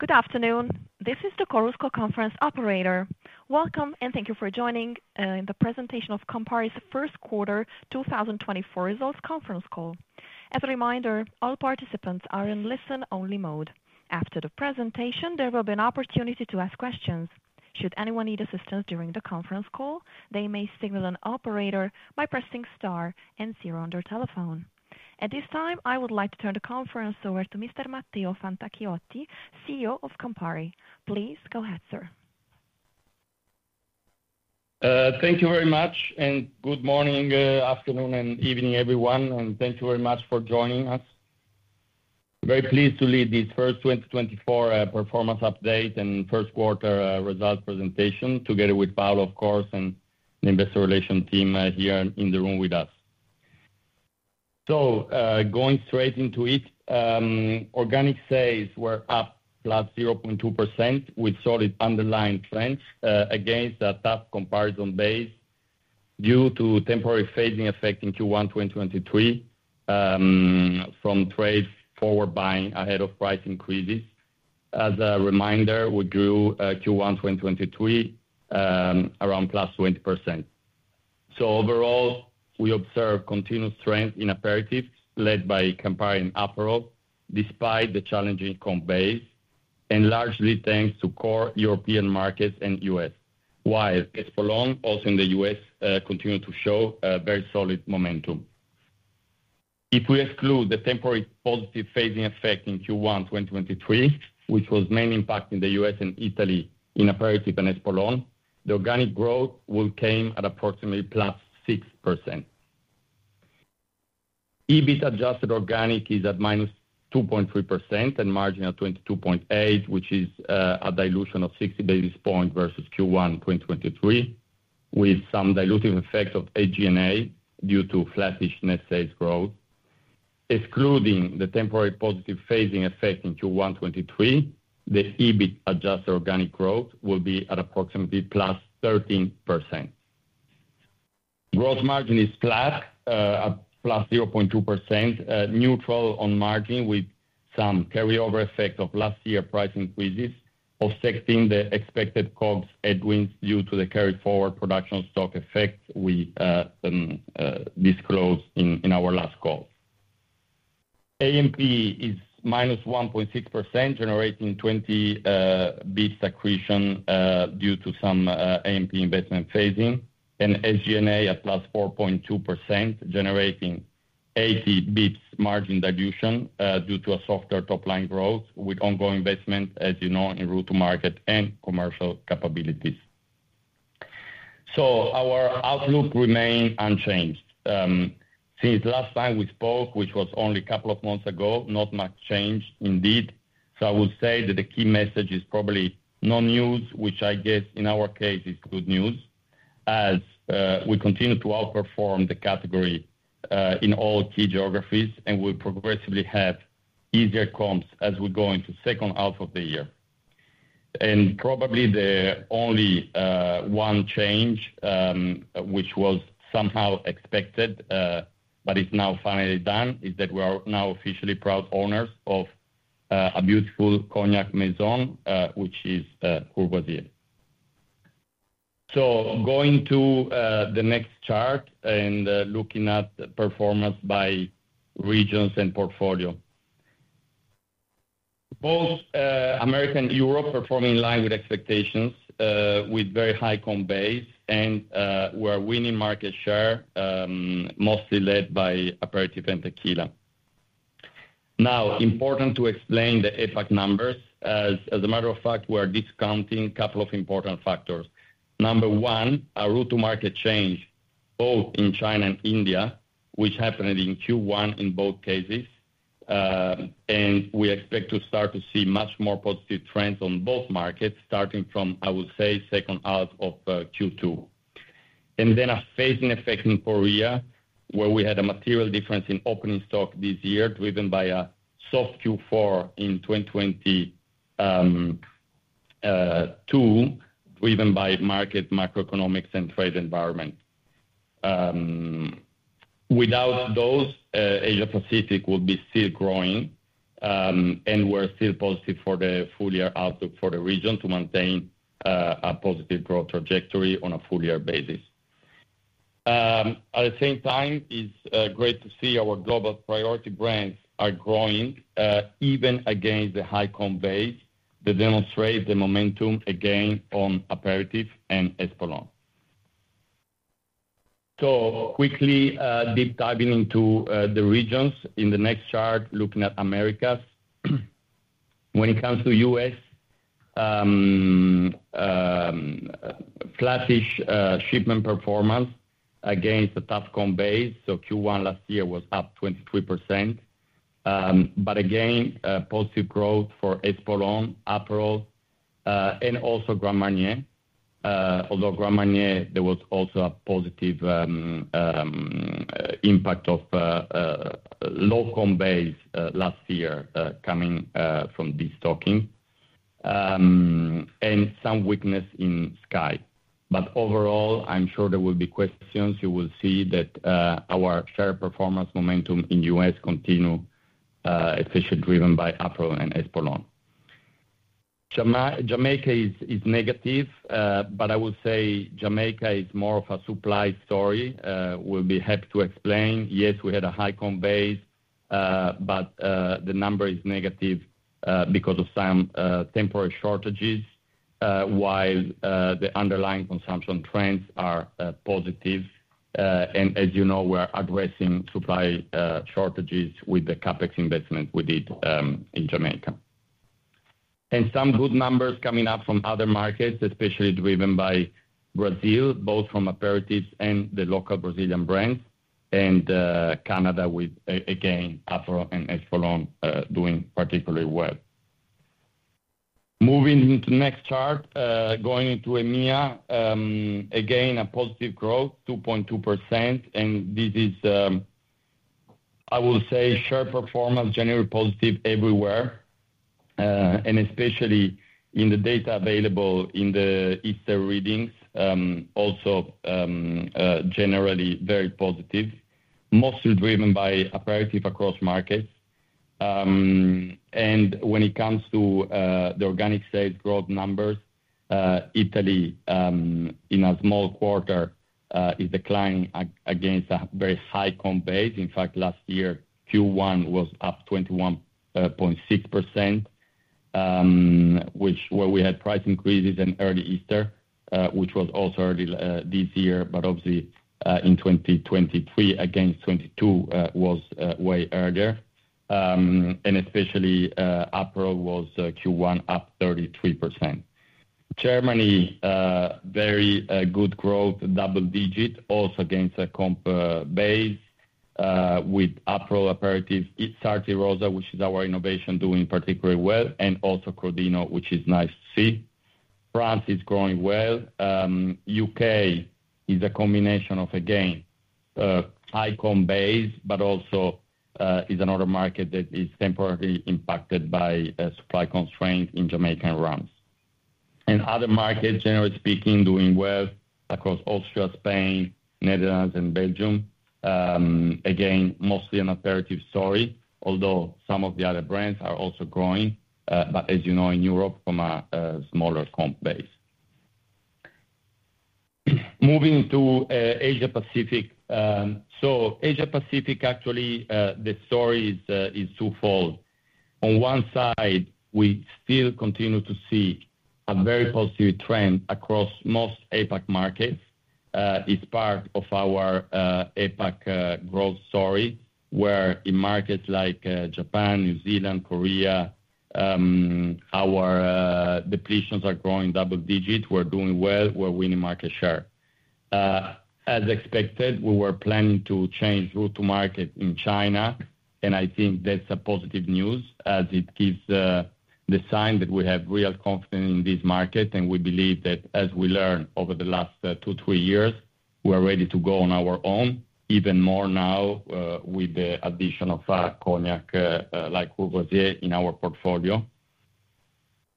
Good afternoon. This is the Chorus Call conference operator. Welcome, and thank you for joining in the presentation of Campari's first quarter 2024 results conference call. As a reminder, all participants are in listen-only mode. After the presentation, there will be an opportunity to ask questions. Should anyone need assistance during the conference call, they may signal an operator by pressing star and zero on their telephone. At this time, I would like to turn the conference over to Mr. Matteo Fantacchiotti, CEO of Campari. Please go ahead, sir. Thank you very much, and good morning, afternoon and evening, everyone, and thank you very much for joining us. Very pleased to lead this first 2024 performance update and first quarter results presentation together with Paolo, of course, and the investor relations team here in the room with us. Going straight into it, organic sales were up +0.2% with solid underlying trends against a tough comparison base due to temporary phasing effect in Q1 2023 from trade forward buying ahead of price increases. As a reminder, we grew Q1 2023 around +20%. So overall, we observe continued strength in Aperitifs led by Campari and Aperol, despite the challenging comp base and largely thanks to core European markets and U.S., while Espolòn, also in the U.S., continued to show a very solid momentum. If we exclude the temporary positive phasing effect in Q1 2023, which was mainly impacting the U.S. and Italy in Aperitif and Espolòn, the organic growth will came at approximately +6%. EBIT adjusted organic is at -2.3% and margin at 22.8%, which is a dilution of 60 basis points versus Q1 2023, with some dilutive effects of SG&A due to flattish net sales growth. Excluding the temporary positive phasing effect in Q1 2023, the EBIT adjusted organic growth will be at approximately +13%. Gross margin is flat at +0.2%, neutral on margin, with some carryover effect of last year price increases, affecting the expected COGS headwinds due to the carried forward production stock effect we disclosed in our last call. A&P is -1.6%, generating 20 bits accretion due to some A&P investment phasing and SG&A at +4.2%, generating 80 bits margin dilution due to a softer top line growth with ongoing investment, as you know, in route to market and commercial capabilities. So our outlook remain unchanged. Since last time we spoke, which was only a couple of months ago, not much changed indeed. So I will say that the key message is probably no news, which I guess in our case is good news, as we continue to outperform the category in all key geographies and we progressively have easier comps as we go into second half of the year. And probably the only one change, which was somehow expected, but it's now finally done, is that we are now officially proud owners of a beautiful cognac maison, which is Courvoisier. So going to the next chart and looking at the performance by regions and portfolio. Both America and Europe performing in line with expectations, with very high comp base and we're winning market share, mostly led by aperitif and Tequila. Now, important to explain the APAC numbers. As a matter of fact, we're discounting a couple of important factors. Number one, our route to market change, both in China and India, which happened in Q1 in both cases, and we expect to start to see much more positive trends on both markets, starting from, I would say, second half of Q2. And then a phasing effect in Korea, where we had a material difference in opening stock this year, driven by a soft Q4 in 2022, driven by market macroeconomics and trade environment. Without those, Asia Pacific will be still growing, and we're still positive for the full year outlook for the region to maintain a positive growth trajectory on a full year basis. At the same time, it's great to see our global priority brands are growing, even against the high comp base, that demonstrate the momentum again on Aperol and Espolòn. So quickly, deep diving into the regions in the next chart, looking at Americas. When it comes to U.S., flattish shipment performance against a tough comp base. So Q1 last year was up 23%. But again, positive growth for Espolòn, Aperol, and also Grand Marnier. Although Grand Marnier, there was also a positive impact of low comp base last year, coming from destocking, and some weakness in Skyy... but overall, I'm sure there will be questions. You will see that our share performance momentum in U.S. continue, especially driven by Aperol and Espolòn. Jamaica is negative, but I would say Jamaica is more of a supply story. We'll be happy to explain. Yes, we had a high comp base, but the number is negative because of some temporary shortages while the underlying consumption trends are positive. And as you know, we're addressing supply shortages with the CapEx investment we did in Jamaica. And some good numbers coming up from other markets, especially driven by Brazil, both from aperitifs and the local Brazilian brands, and Canada, with again, Aperol and Espolòn doing particularly well. Moving into the next chart, going into EMEA. Again, a positive growth, 2.2%, and this is, I will say, share performance generally positive everywhere, and especially in the data available in the Easter readings, also generally very positive, mostly driven by aperitif across markets. And when it comes to the organic sales growth numbers, Italy, in a small quarter, is declining against a very high comp base. In fact, last year, Q1 was up 21.6%, where we had price increases in early Easter, which was also early this year, but obviously, in 2023 against 2022, was way earlier. And especially, Aperol was Q1 up 33%. Germany, very good growth, double-digit, also against a comp base, with Aperol aperitifs. It's Sarti Rosa, which is our innovation, doing particularly well, and also Crodino, which is nice to see. France is growing well. U.K. is a combination of, again, high comp base, but also, is another market that is temporarily impacted by a supply constraint in Jamaica and France. And other markets, generally speaking, doing well across Austria, Spain, Netherlands and Belgium. Again, mostly an Aperitif story, although some of the other brands are also growing, but as you know, in Europe, from a smaller comp base. Moving to Asia Pacific. So Asia Pacific, actually, the story is twofold. On one side, we still continue to see a very positive trend across most APAC markets. It's part of our APAC growth story, where in markets like Japan, New Zealand, Korea, our depletions are growing double digit. We're doing well. We're winning market share. As expected, we were planning to change route to market in China, and I think that's a positive news, as it gives the sign that we have real confidence in this market, and we believe that as we learn over the last 2, 3 years, we are ready to go on our own, even more now with the addition of cognac like Courvoisier in our portfolio.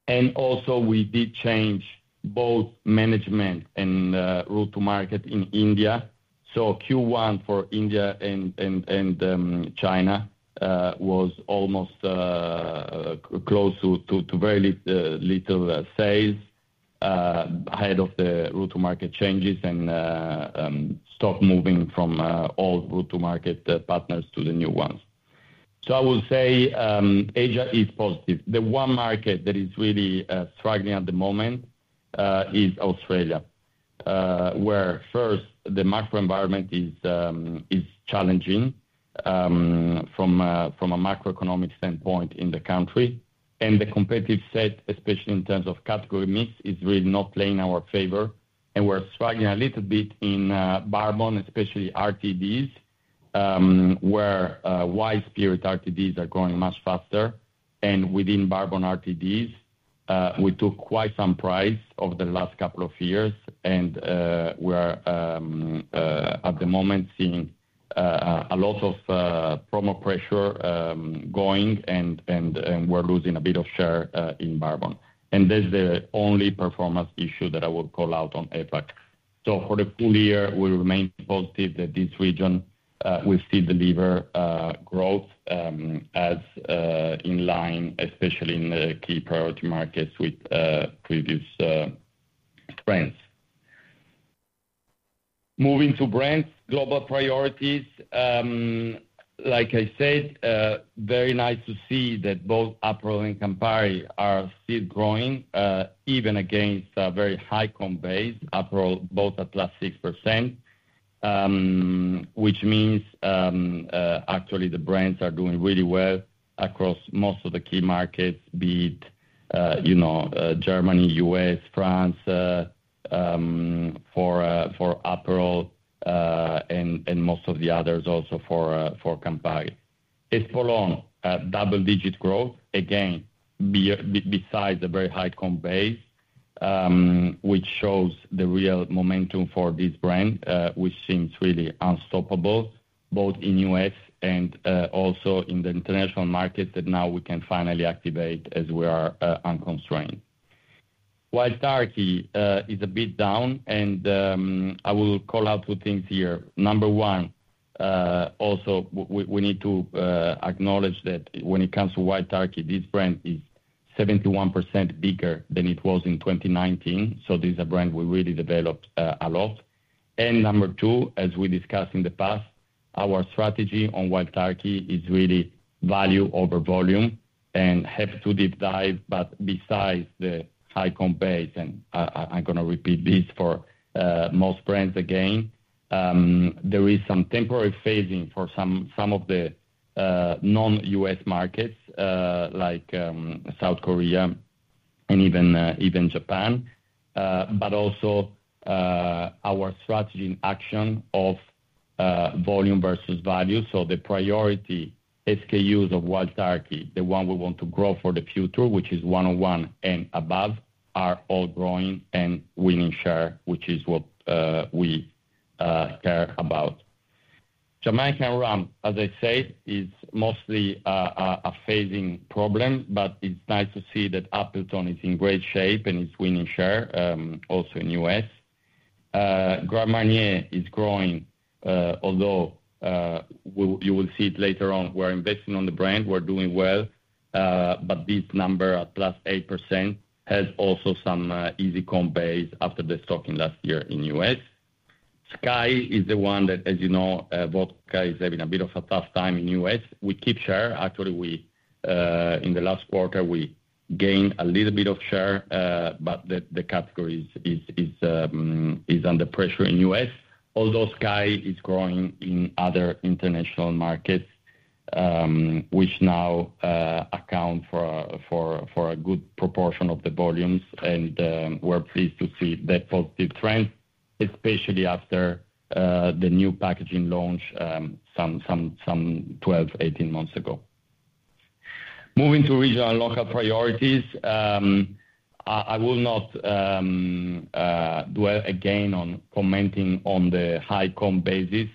And also, we did change both management and route to market in India. So Q1 for India and China was almost close to very little sales ahead of the route to market changes and stock moving from old route to market partners to the new ones. So I will say Asia is positive. The one market that is really struggling at the moment is Australia, where first, the macro environment is challenging from a macroeconomic standpoint in the country, and the competitive set, especially in terms of category mix, is really not playing in our favor. And we're struggling a little bit in bourbon, especially RTDs, where white spirit RTDs are growing much faster. Within bourbon RTDs, we took quite some price over the last couple of years and we are at the moment seeing a lot of promo pressure going and we're losing a bit of share in bourbon. That's the only performance issue that I will call out on APAC. For the full year, we remain positive that this region will still deliver growth as in line, especially in the key priority markets with previous trends. Moving to brands, global priorities. Like I said, very nice to see that both Aperol and Campari are still growing, even against a very high comp base, Aperol both at +6%, which means, actually, the brands are doing really well across most of the key markets, be it, you know, Germany, U.S., France, for Aperol, and most of the others also for Campari. Espolòn, double-digit growth, again, besides the very high comp base, which shows the real momentum for this brand, which seems really unstoppable, both in U.S. and also in the international market that now we can finally activate as we are, unconstrained. Wild Turkey is a bit down, and I will call out two things here. Number one, also we need to acknowledge that when it comes to Wild Turkey, this brand is 71% bigger than it was in 2019, so this is a brand we really developed a lot. And number two, as we discussed in the past, our strategy on Wild Turkey is really value over volume and have to deep dive. But besides the high comp base, and I’m gonna repeat this for most brands again, there is some temporary phasing for some of the non-U.S. markets, like South Korea and even Japan. But also, our strategy in action of volume versus value. So the priority SKUs of Wild Turkey, the one we want to grow for the future, which is 101 and above, are all growing and winning share, which is what we care about. Jamaican Rum, as I said, is mostly a phasing problem, but it's nice to see that Appleton is in great shape and it's winning share, also in U.S. Grand Marnier is growing, although you will see it later on, we're investing on the brand, we're doing well, but this number at +8% has also some easy comp base after the stocking last year in U.S. Skyy is the one that, as you know, vodka is having a bit of a tough time in U.S. We keep share. Actually, we in the last quarter, we gained a little bit of share, but the category is under pressure in U.S., although Skyy is growing in other international markets, which now account for a good proportion of the volumes, and we're pleased to see that positive trend, especially after the new packaging launch some 12-18 months ago. Moving to regional and local priorities, I will not dwell again on commenting on the high comp basis,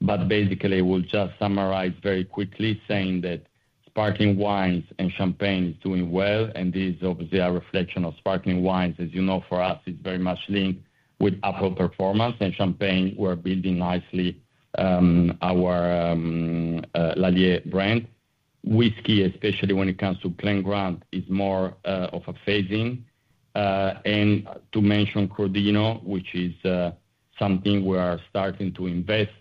but basically we'll just summarize very quickly, saying that sparkling wines and champagne is doing well, and this is obviously a reflection of sparkling wines. As you know, for us, it's very much linked with Aperol performance. And champagne, we're building nicely, our Lallier brand. Whiskey, especially when it comes to Glen Grant, is more of a phasing. And to mention Crodino, which is something we are starting to invest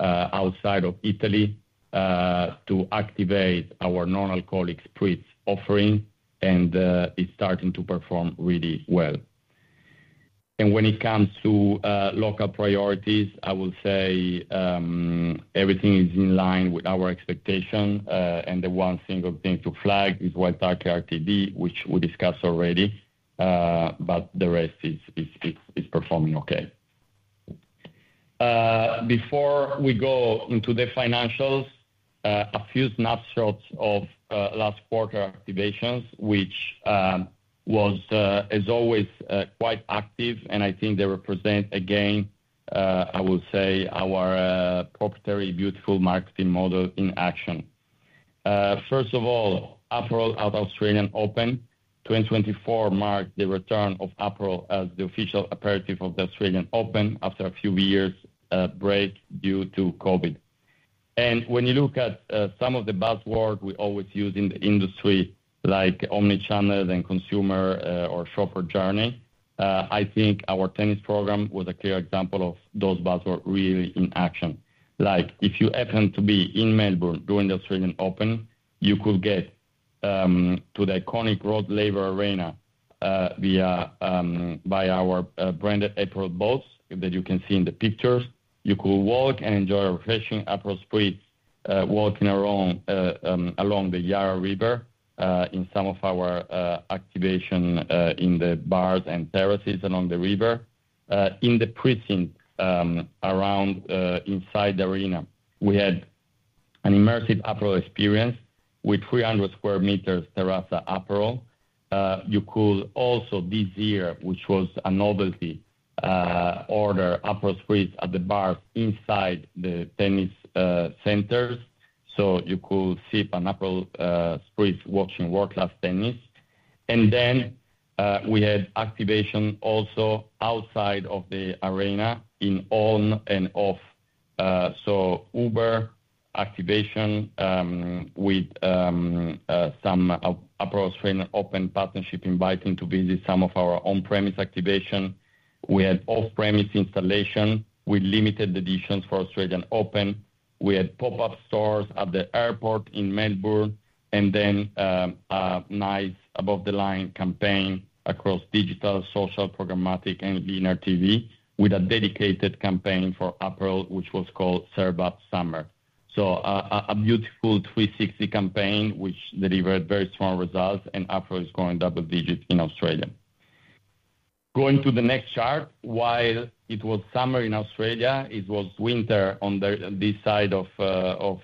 outside of Italy to activate our non-alcoholic spirits offering, and it's starting to perform really well. And when it comes to local priorities, I will say everything is in line with our expectation, and the one single thing to flag is Wild Turkey RTD, which we discussed already, but the rest is performing okay. Before we go into the financials, a few snapshots of last quarter activations, which is always quite active, and I think they represent again, I will say our proprietary beautiful marketing model in action. First of all, Aperol at Australian Open. 2024 marked the return of Aperol as the official aperitif of the Australian Open after a few years break due to COVID. When you look at some of the buzzwords we always use in the industry, like omni-channel and consumer or shopper journey, I think our tennis program was a clear example of those buzzwords really in action. Like, if you happen to be in Melbourne during the Australian Open, you could get to the iconic Rod Laver Arena via by our branded Aperol bus that you can see in the pictures. You could walk and enjoy a refreshing Aperol Spritz walking around along the Yarra River in some of our activation in the bars and terraces along the river. In the precinct, around, inside the arena, we had an immersive Aperol experience with 300 square meters terrace Aperol. You could also, this year, which was a novelty, order Aperol Spritz at the bar inside the tennis centers. So you could sip an Aperol Spritz, watching world class tennis. And then, we had activation also outside of the arena in on and off. So Uber activation, with some Aperol Australian Open partnership inviting to visit some of our on-premise activation. We had off-premise installation with limited editions for Australian Open. We had pop-up stores at the airport in Melbourne, and then, a nice above-the-line campaign across digital, social, programmatic, and linear TV with a dedicated campaign for Aperol, which was called Serve Up Summer. So a beautiful 360 campaign, which delivered very strong results, and Aperol is growing double digits in Australia. Going to the next chart, while it was summer in Australia, it was winter on this side of the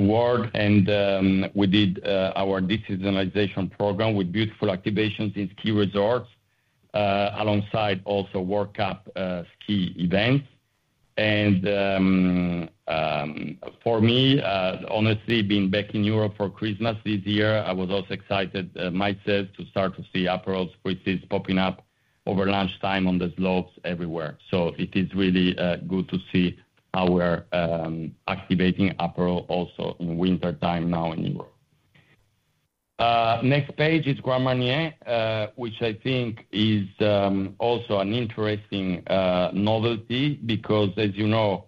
world, and we did our deseasonalization program with beautiful activations in key resorts, alongside also World Cup ski events. And for me, honestly, being back in Europe for Christmas this year, I was also excited myself to start to see Aperol Spritz is popping up over lunchtime on the slopes everywhere. So it is really good to see how we're activating Aperol also in wintertime now in Europe. Next page is Grand Marnier, which I think is also an interesting novelty because, as you know,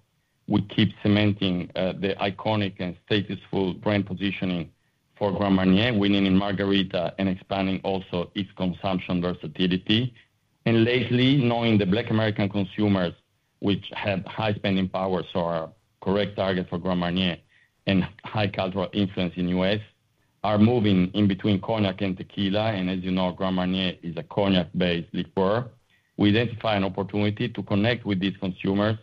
we keep cementing the iconic and status full brand positioning for Grand Marnier, winning in Margarita and expanding also its consumption versatility. And lately, knowing the Black American consumers, which have high spending powers, are correct target for Grand Marnier and high cultural influence in U.S., are moving in between cognac and tequila. And as you know, Grand Marnier is a cognac-based liquor. We identify an opportunity to connect with these consumers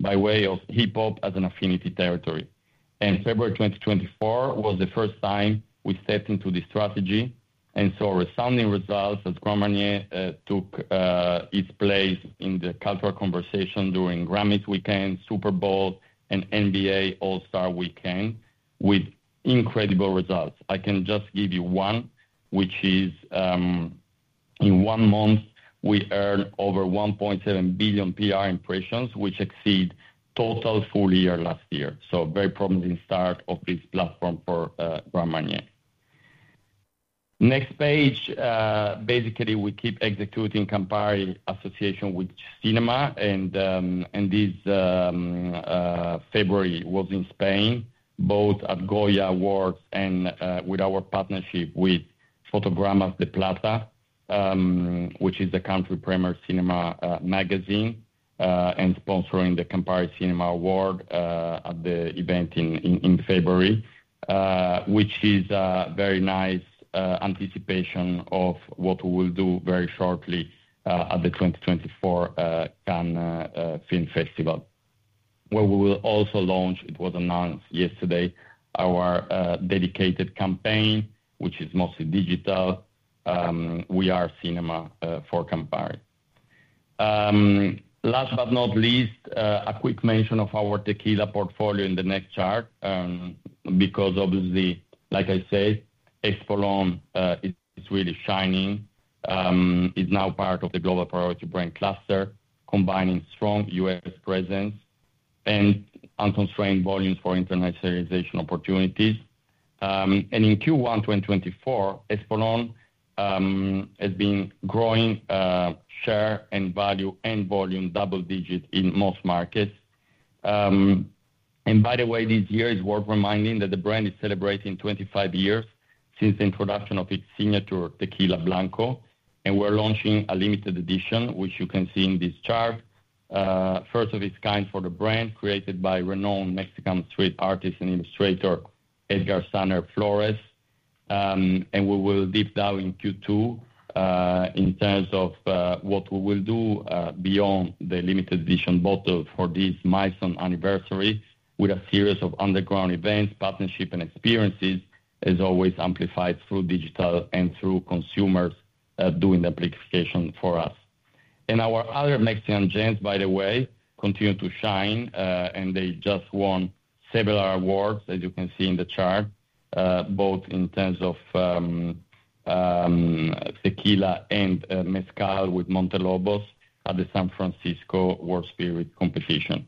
by way of hip-hop as an affinity territory. And February 2024 was the first time we stepped into this strategy and saw resounding results as Grand Marnier took its place in the cultural conversation during Grammys weekend, Super Bowl, and NBA All-Star weekend with incredible results. I can just give you one, which is, in one month, we earned over 1.7 billion PR impressions, which exceed total full year last year. So very promising start of this platform for Grand Marnier. Next page, basically, we keep executing Campari association with cinema, and this February was in Spain, both at Goya Awards and with our partnership with Fotogramas de Plata, which is the country's premier cinema magazine, and sponsoring the Campari Cinema Award at the event in February, which is a very nice anticipation of what we will do very shortly at the 2024 Cannes Film Festival, where we will also launch, it was announced yesterday, our dedicated campaign, which is mostly digital, We Are Cinema, for Campari. Last but not least, a quick mention of our tequila portfolio in the next chart. Because obviously, like I say, Espolòn is really shining. It's now part of the global priority brand cluster, combining strong U.S. presence and unconstrained volumes for internationalization opportunities. And in Q1 2024, Espolòn has been growing share and value and volume double digits in most markets. And by the way, this year, it's worth reminding that the brand is celebrating 25 years since the introduction of its signature Tequila Blanco, and we're launching a limited edition, which you can see in this chart. First of its kind for the brand, created by renowned Mexican street artist and illustrator, Edgar "Saner" Flores. We will deep dive in Q2 in terms of what we will do beyond the limited edition bottle for this milestone anniversary with a series of underground events, partnership and experiences, as always, amplified through digital and through consumers doing the amplification for us. Our other Mexican gems, by the way, continue to shine, and they just won several awards, as you can see in the chart, both in terms of tequila and Mezcal with Montelobos at the San Francisco World Spirits Competition.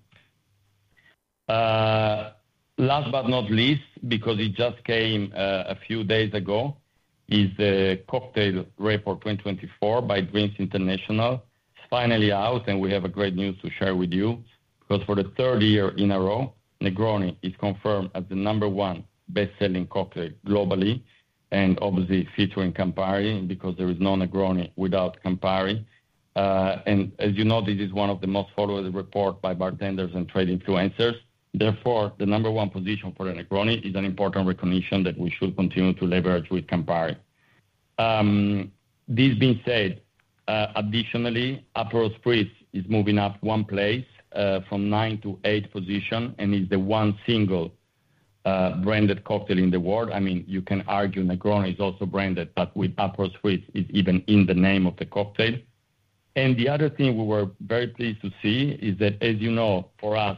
Last but not least, because it just came a few days ago, is the Cocktail Report 2024 by Drinks International. It's finally out, and we have a great news to share with you, because for the third year in a row, Negroni is confirmed as the number-1 best-selling cocktail globally, and obviously featuring Campari, because there is no Negroni without Campari. As you know, this is one of the most followed report by bartenders and trade influencers. Therefore, the number-1 position for the Negroni is an important recognition that we should continue to leverage with Campari. This being said, additionally, Aperol Spritz is moving up one place, from 9 to 8 position, and is the one single, branded cocktail in the world. I mean, you can argue Negroni is also branded, but with Aperol Spritz, it's even in the name of the cocktail. The other thing we were very pleased to see is that, as you know, for us,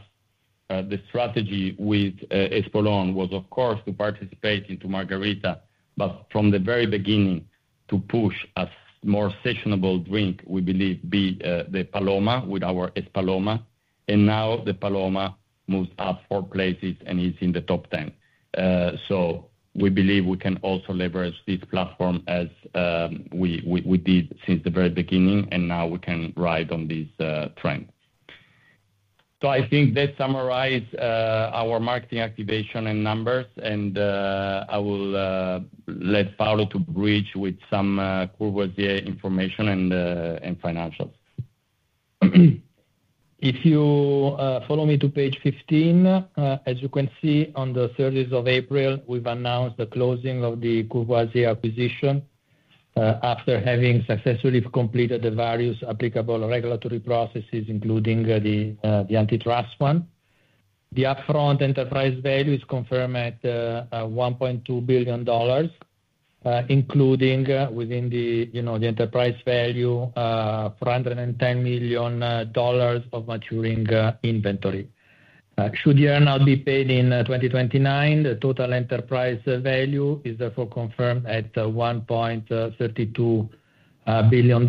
the strategy with Espolòn was, of course, to participate into Margarita, but from the very beginning, to push a more sessionable drink, we believe to be the Paloma with our Espaloma. And now the Paloma moves up four places and is in the top 10. So we believe we can also leverage this platform as we did since the very beginning, and now we can ride on this trend. So I think that summarize our marketing activation and numbers, and I will let Paolo to bridge with some information and financials. If you follow me to page 15. As you can see, on the thirtieth of April, we've announced the closing of the Courvoisier acquisition, after having successfully completed the various applicable regulatory processes, including the antitrust one. The upfront enterprise value is confirmed at $1.2 billion, including, within the, you know, the enterprise value, $410 million of maturing inventory. Should the earn-out now be paid in 2029, the total enterprise value is therefore confirmed at $1.32 billion,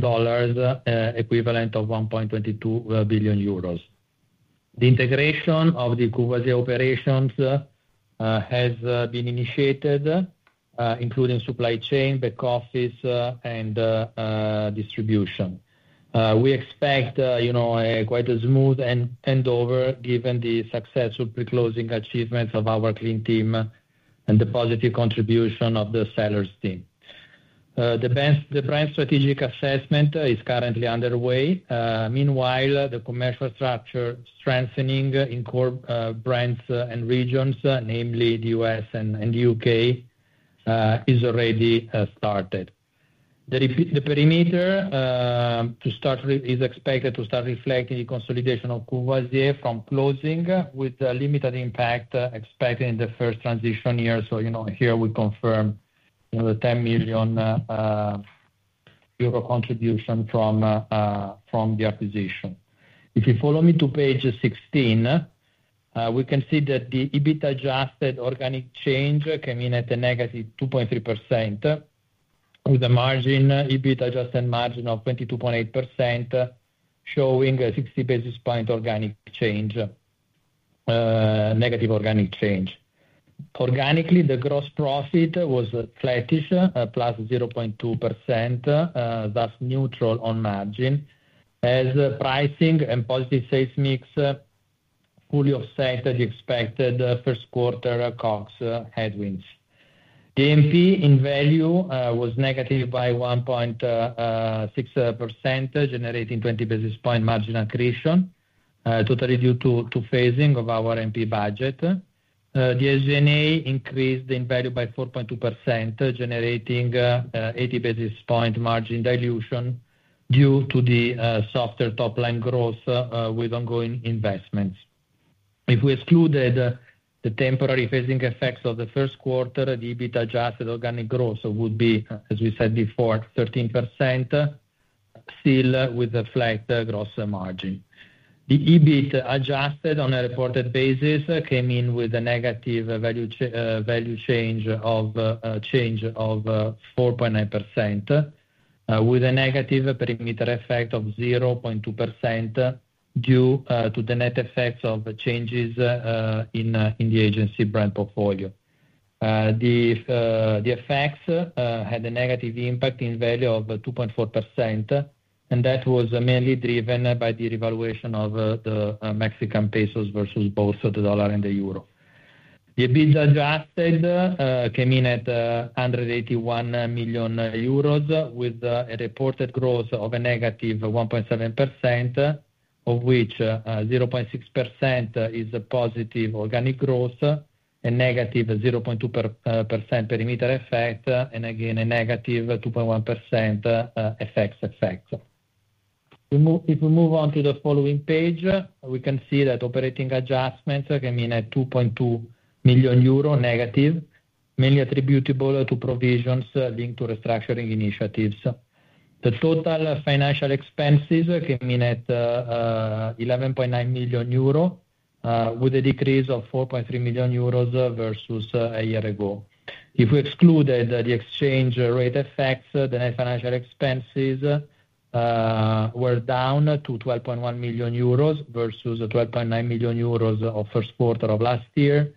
equivalent of 1.22 billion euros. The integration of the Courvoisier operations has been initiated, including supply chain, back office, and distribution. We expect, you know, quite a smooth handover given the successful pre-closing achievements of our clean team and the positive contribution of the sellers team. The brand strategic assessment is currently underway. Meanwhile, the commercial structure strengthening in core brands and regions, namely the U.S. and the U.K., is already started. The perimeter, to start with, is expected to start reflecting the consolidation of Courvoisier from closing, with a limited impact expected in the first transition year. You know, here we confirm, you know, the 10 million euro contribution from the acquisition. If you follow me to page 16, we can see that the EBIT adjusted organic change came in at a -2.3%, with a margin, EBIT adjusted margin of 22.8%, showing a 60 basis point organic change, negative organic change. Organically, the gross profit was flattish, +0.2%, thus neutral on margin, as pricing and positive sales mix fully offset as expected, first quarter COGS headwinds. The A&P in value was -1.6%, generating 20 basis point margin accretion, totally due to phasing of our A&P budget. The SG&A increased in value by 4.2%, generating 80 basis point margin dilution due to the softer top line growth, with ongoing investments. If we excluded the temporary phasing effects of the first quarter, the EBIT adjusted organic growth would be, as we said before, 13%, still with a flat gross margin. The EBIT adjusted on a reported basis came in with a value change of -4.9%, with a perimeter effect of -0.2%, due to the net effects of changes in the agency brand portfolio. The effects had a impact in value of -2.4%, and that was mainly driven by the revaluation of the Mexican pesos versus both the dollar and the euro. The EBIT adjusted came in at 181 million euros, with a reported growth of -1.7%, of which 0.6% is a positive organic growth, a -0.2% perimeter effect, and again, a -2.1% effect. If we move on to the following page, we can see that operating adjustments came in at -2.2 million euro, mainly attributable to provisions linked to restructuring initiatives. The total financial expenses came in at 11.9 million euro, with a decrease of 4.3 million euros versus a year ago. If we excluded the exchange rate effects, the net financial expenses were down to 12.1 million euros versus 12.9 million euros of first quarter of last year,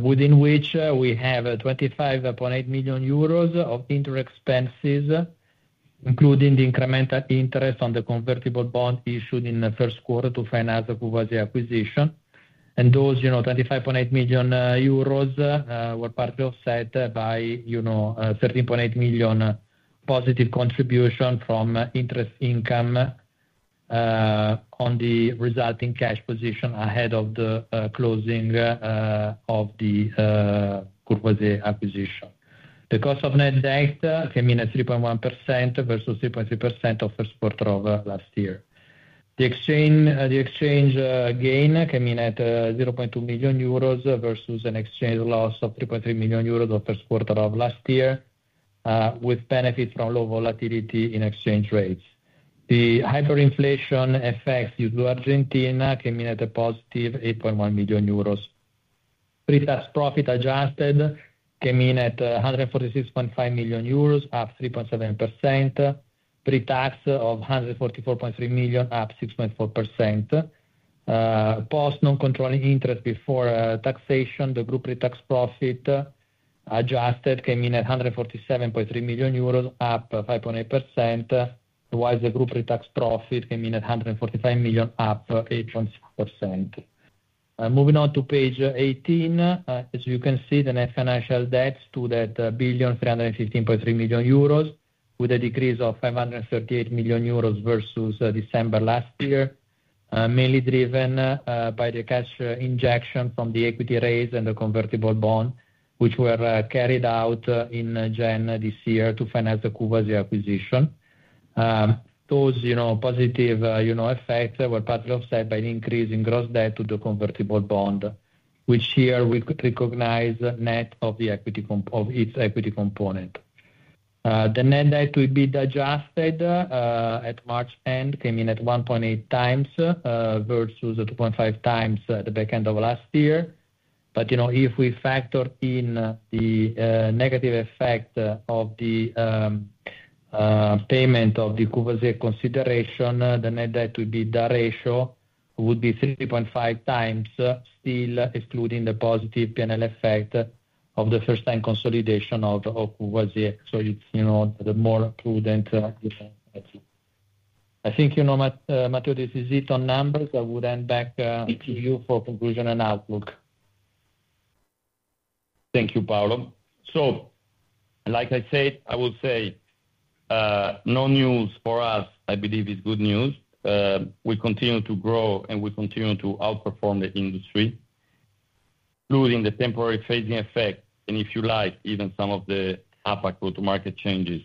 within which we have a 25.8 million euros of interest expenses, including the incremental interest on the convertible bonds issued in the first quarter to finance the Courvoisier acquisition. And those, you know, 25.8 million euros were partly offset by, you know, 13.8 million positive contribution from interest income on the resulting cash position ahead of the closing of the Courvoisier acquisition. The cost of net debt came in at 3.1% versus 3.3% of first quarter of last year. The exchange gain came in at 0.2 million euros versus an exchange loss of 3.3 million euros of first quarter of last year, with benefit from low volatility in exchange rates. The hyperinflation effects due to Argentina came in at a +8.1 million euros. Pre-tax profit adjusted came in at 146.5 million euros, up 3.7%, pre-tax of 144.3 million, up 6.4%. Post non-controlling interest before taxation, the group pre-tax profit adjusted came in at 147.3 million euros, up 5.8%, whilst the group pre-tax profit came in at 145 million, up 8.6%. Moving on to page 18. As you can see, the net financial debt stood at 1,315.3 million euros, with a decrease of 538 million euros versus December last year, mainly driven by the cash injection from the equity raise and the convertible bond, which were carried out in January this year to finance the Courvoisier acquisition. Those, you know, positive, you know, effects were partly offset by an increase in gross debt to the convertible bond, which here we could recognize net of the equity component. The net debt EBITDA adjusted at March end came in at 1.8x versus at 2.5x at the back end of last year. But, you know, if we factor in the negative effect of the payment of the Courvoisier consideration, the net debt would be the ratio, would be 3.5x, still excluding the positive P&L effect of the first time consolidation of Courvoisier. So it's, you know, the more prudent I think, you know, Matt, Matteo, this is it on numbers. I would hand back to you for conclusion and outlook. Thank you, Paolo. So like I said, I will say, no news for us, I believe, is good news. We continue to grow, and we continue to outperform the industry, including the temporary phasing effect, and if you like, even some of the route to market changes.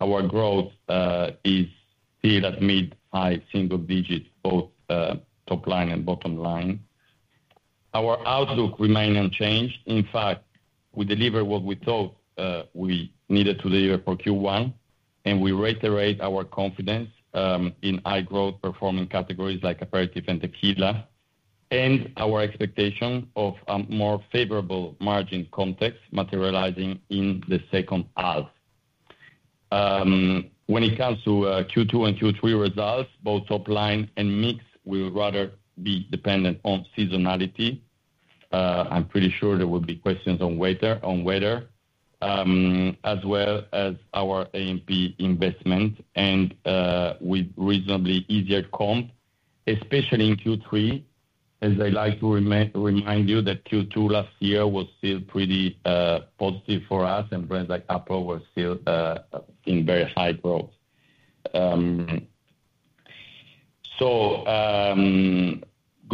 Our growth is still at mid-single digits, both top line and bottom line. Our outlook remain unchanged. In fact, we delivered what we thought we needed to deliver for Q1, and we reiterate our confidence in high growth performing categories like aperitif and Tequila, and our expectation of a more favorable margin context materializing in the second half. When it comes to Q2 and Q3 results, both top line and mix will rather be dependent on seasonality. I'm pretty sure there will be questions on whether, on whether, as well as our A&P investment and, with reasonably easier comp, especially in Q3, as I like to remind you that Q2 last year was still pretty positive for us, and brands like Aperol were still in very high growth. So, good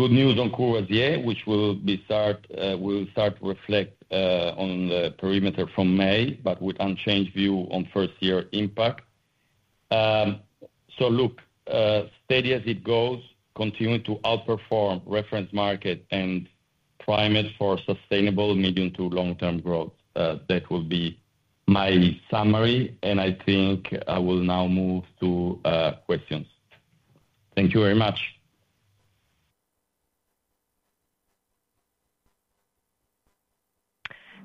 news on Courvoisier, which will start to reflect on the perimeter from May, but with unchanged view on first-year impact. So look, steady as it goes, continuing to outperform reference market and prime it for sustainable medium to long-term growth. That will be my summary, and I think I will now move to questions. Thank you very much.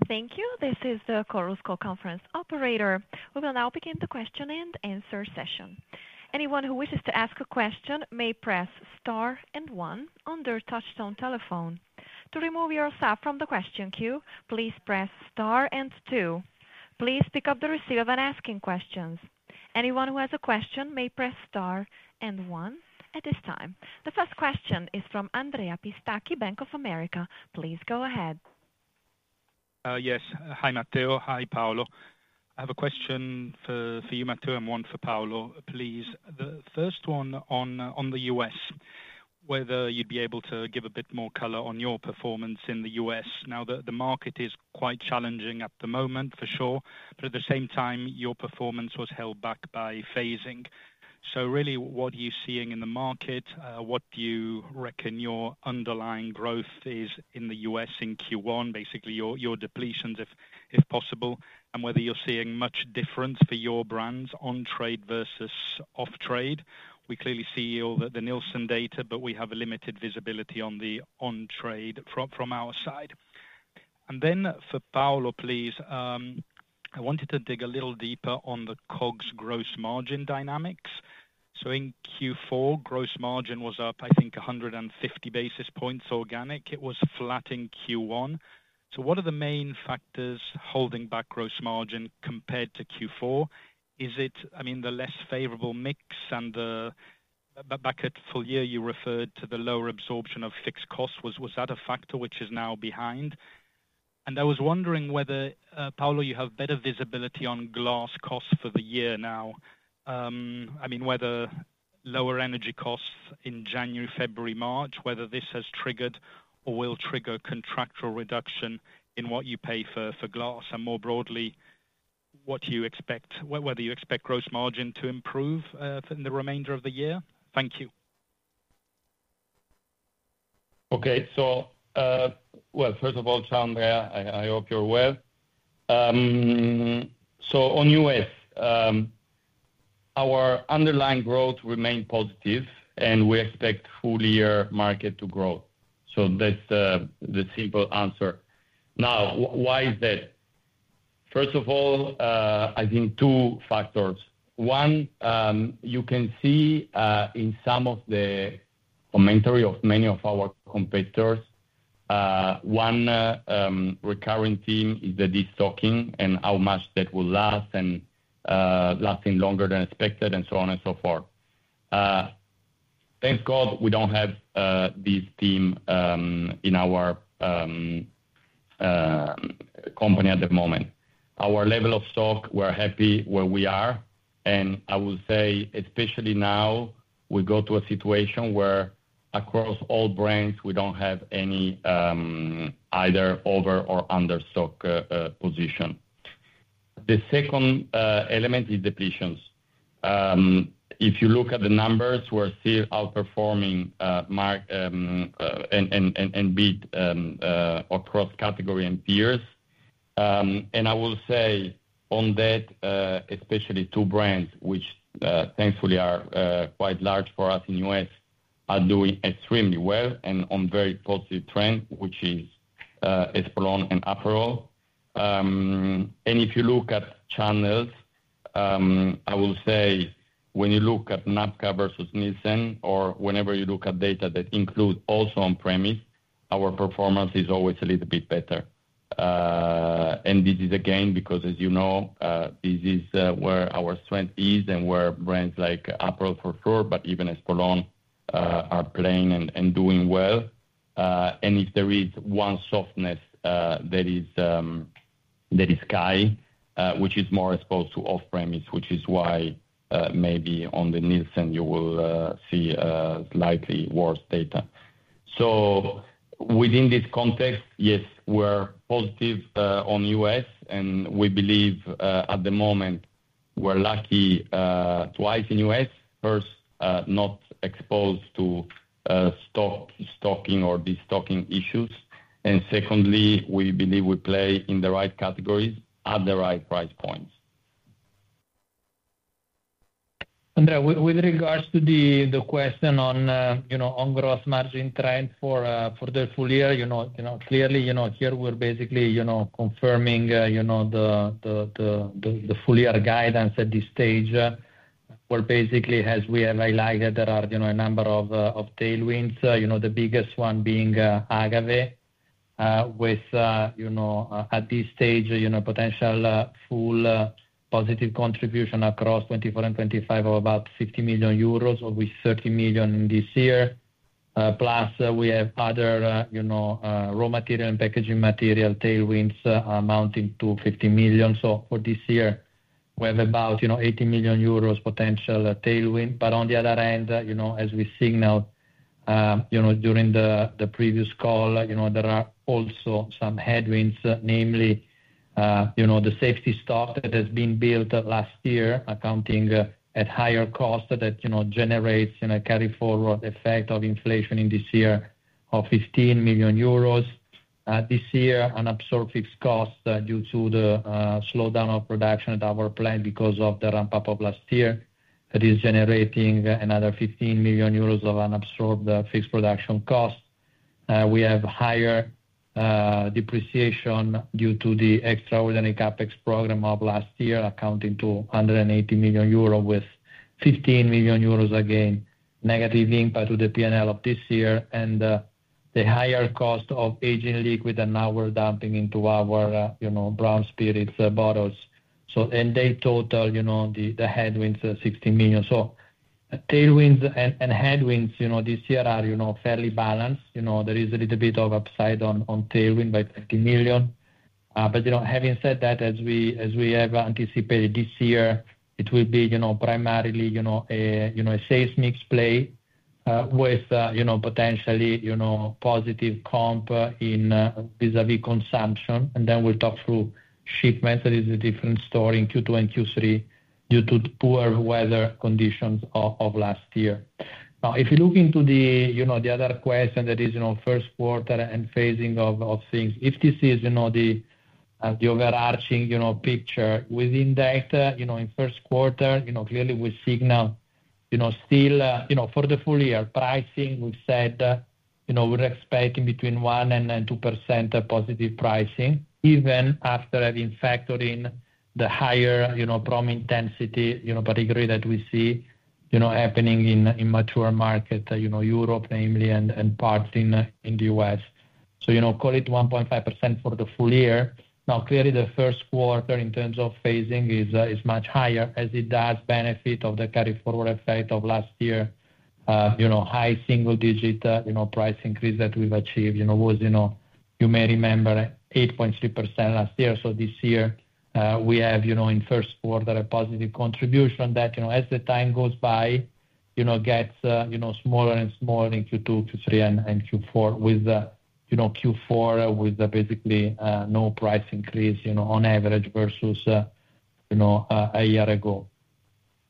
Thank you. This is the Chorus Call Conference operator. We will now begin the Q&A session. Anyone who wishes to ask a question may press star and one on their touchtone telephone. To remove yourself from the question queue, please press star and two. Please pick up the receiver when asking questions. Anyone who has a question may press star and one at this time. The first question is from Andrea Pistacchi, Bank of America. Please go ahead. Yes. Hi, Matteo. Hi, Paolo. I have a question for you, Matteo, and one for Paolo, please. The first one on the U.S., whether you'd be able to give a bit more color on your performance in the U.S. Now, the market is quite challenging at the moment, for sure, but at the same time, your performance was held back by phasing. So really, what are you seeing in the market? What do you reckon your underlying growth is in the U.S. in Q1, basically your depletions, if possible, and whether you're seeing much difference for your brands on trade versus off trade. We clearly see all the Nielsen data, but we have a limited visibility on the on-trade from our side. And then for Paolo, please, I wanted to dig a little deeper on the COGS gross margin dynamics. So in Q4, gross margin was up, I think, 150 basis points, organic. It was flat in Q1. So what are the main factors holding back gross margin compared to Q4? Is it, I mean, the less favorable mix and the... Back at full year, you referred to the lower absorption of fixed costs. Was that a factor which is now behind? And I was wondering whether, Paolo, you have better visibility on glass costs for the year now. I mean, whether lower energy costs in January, February, March, whether this has triggered or will trigger contractual reduction in what you pay for glass, and more broadly, what do you expect, whether you expect gross margin to improve in the remainder of the year? Thank you. Okay, so, well, first of all, Andrea, I hope you're well. So on U.S., our underlying growth remained positive, and we expect full-year market to grow. So that's the simple answer. Now, why is that? First of all, I think two factors: one, you can see in some of the commentary of many of our competitors, one recurring theme is the destocking and how much that will last and lasting longer than expected and so on and so forth. Thank God, we don't have this theme in our company at the moment. Our level of stock, we're happy where we are, and I will say, especially now, we go to a situation where across all brands, we don't have any either over or under stock position. The second element is depletions. If you look at the numbers, we're still outperforming market and beating across category and peers. I will say on that, especially two brands which thankfully are quite large for us in U.S., are doing extremely well and on very positive trend, which is Espolòn and Aperol. If you look at channels, I will say when you look at NABCA versus Nielsen or whenever you look at data that includes also on-premise, our performance is always a little bit better. This is again, because as you know, this is where our strength is and where brands like Aperol for sure, but even Espolòn are playing and doing well. And if there is one softness, that is Skyy, which is more exposed to off-premise, which is why maybe on the Nielsen you will see slightly worse data. So within this context, yes, we're positive on U.S., and we believe at the moment we're lucky twice in U.S. First, not exposed to stocking or destocking issues, and secondly, we believe we play in the right categories at the right price points. And, with regards to the question on, you know, on gross margin trend for the full year, you know, clearly, you know, here we're basically, you know, confirming the full year guidance at this stage. Where basically, as we have highlighted, there are, you know, a number of tailwinds, you know, the biggest one being Agave with, you know, at this stage, you know, potential full positive contribution across 2024 and 2025 of about 50 million euros, with 30 million in this year. Plus we have other, you know, raw material and packaging material tailwinds amounting to 50 million. So for this year, we have about, you know, 80 million euros potential tailwind. But on the other hand, you know, as we signaled, you know, during the previous call, you know, there are also some headwinds, namely, you know, the safety stock that has been built up last year, accounting at higher cost that, you know, generates in a carry forward effect of inflation in this year of 15 million euros. This year, unabsorbed fixed costs due to the slowdown of production at our plant because of the ramp-up of last year, that is generating another 15 million euros of unabsorbed fixed production costs. We have higher depreciation due to the extraordinary CapEx program of last year, amounting to 180 million euros, with 15 million euros, again, negative impact to the P&L of this year, and the higher cost of aging liquid that now we're dumping into our, you know, brown spirits bottles. So in total, you know, the, the headwinds are 16 million. So tailwinds and, and headwinds, you know, this year are, you know, fairly balanced. You know, there is a little bit of upside on, on tailwind by 30 million. But, you know, having said that, as we, as we have anticipated this year, it will be, you know, primarily, you know, a, you know, a sales mix play, with, you know, potentially, you know, positive comp in, vis-à-vis consumption. And then we'll talk through shipments. That is a different story in Q2 and Q3 due to the poor weather conditions of last year. Now, if you look into you know, the other question that is, you know, first quarter and phasing of things, if this is, you know, the overarching, you know, picture within that, you know, in first quarter, you know, clearly we signal, you know, still. You know, for the full year pricing, we've said, you know, we're expecting between 1% and then 2% positive pricing, even after having factored in the higher, you know, promo intensity, you know, category that we see, you know, happening in, in mature market, you know, Europe namely, and, and parts in, in the U.S. So, you know, call it 1.5% for the full year. Now, clearly, the first quarter in terms of phasing is much higher as it does benefit of the carry forward effect of last year, you know, high single digit, you know, price increase that we've achieved, you know, was, you know, you may remember 8.3% last year. So this year, we have, you know, in first quarter, a positive contribution that, you know, as the time goes by, you know, gets smaller and smaller in Q2, Q3, and Q4 with, you know, Q4 with basically no price increase, you know, on average versus a year ago.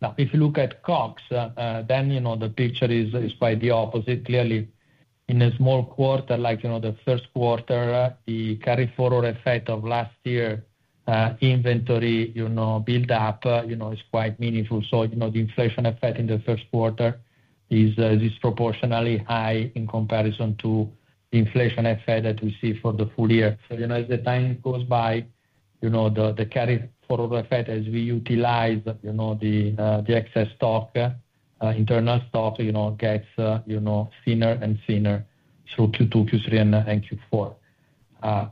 Now, if you look at COGS, then, you know, the picture is quite the opposite. Clearly, in a small quarter like, you know, the first quarter, the carry forward effect of last year inventory, you know, build up, you know, is quite meaningful. So, you know, the inflation effect in the first quarter is disproportionately high in comparison to the inflation effect that we see for the full year. So, you know, as the time goes by, you know, the carry forward effect as we utilize, you know, the excess stock, internal stock, you know, gets, you know, thinner and thinner through Q2, Q3, and Q4.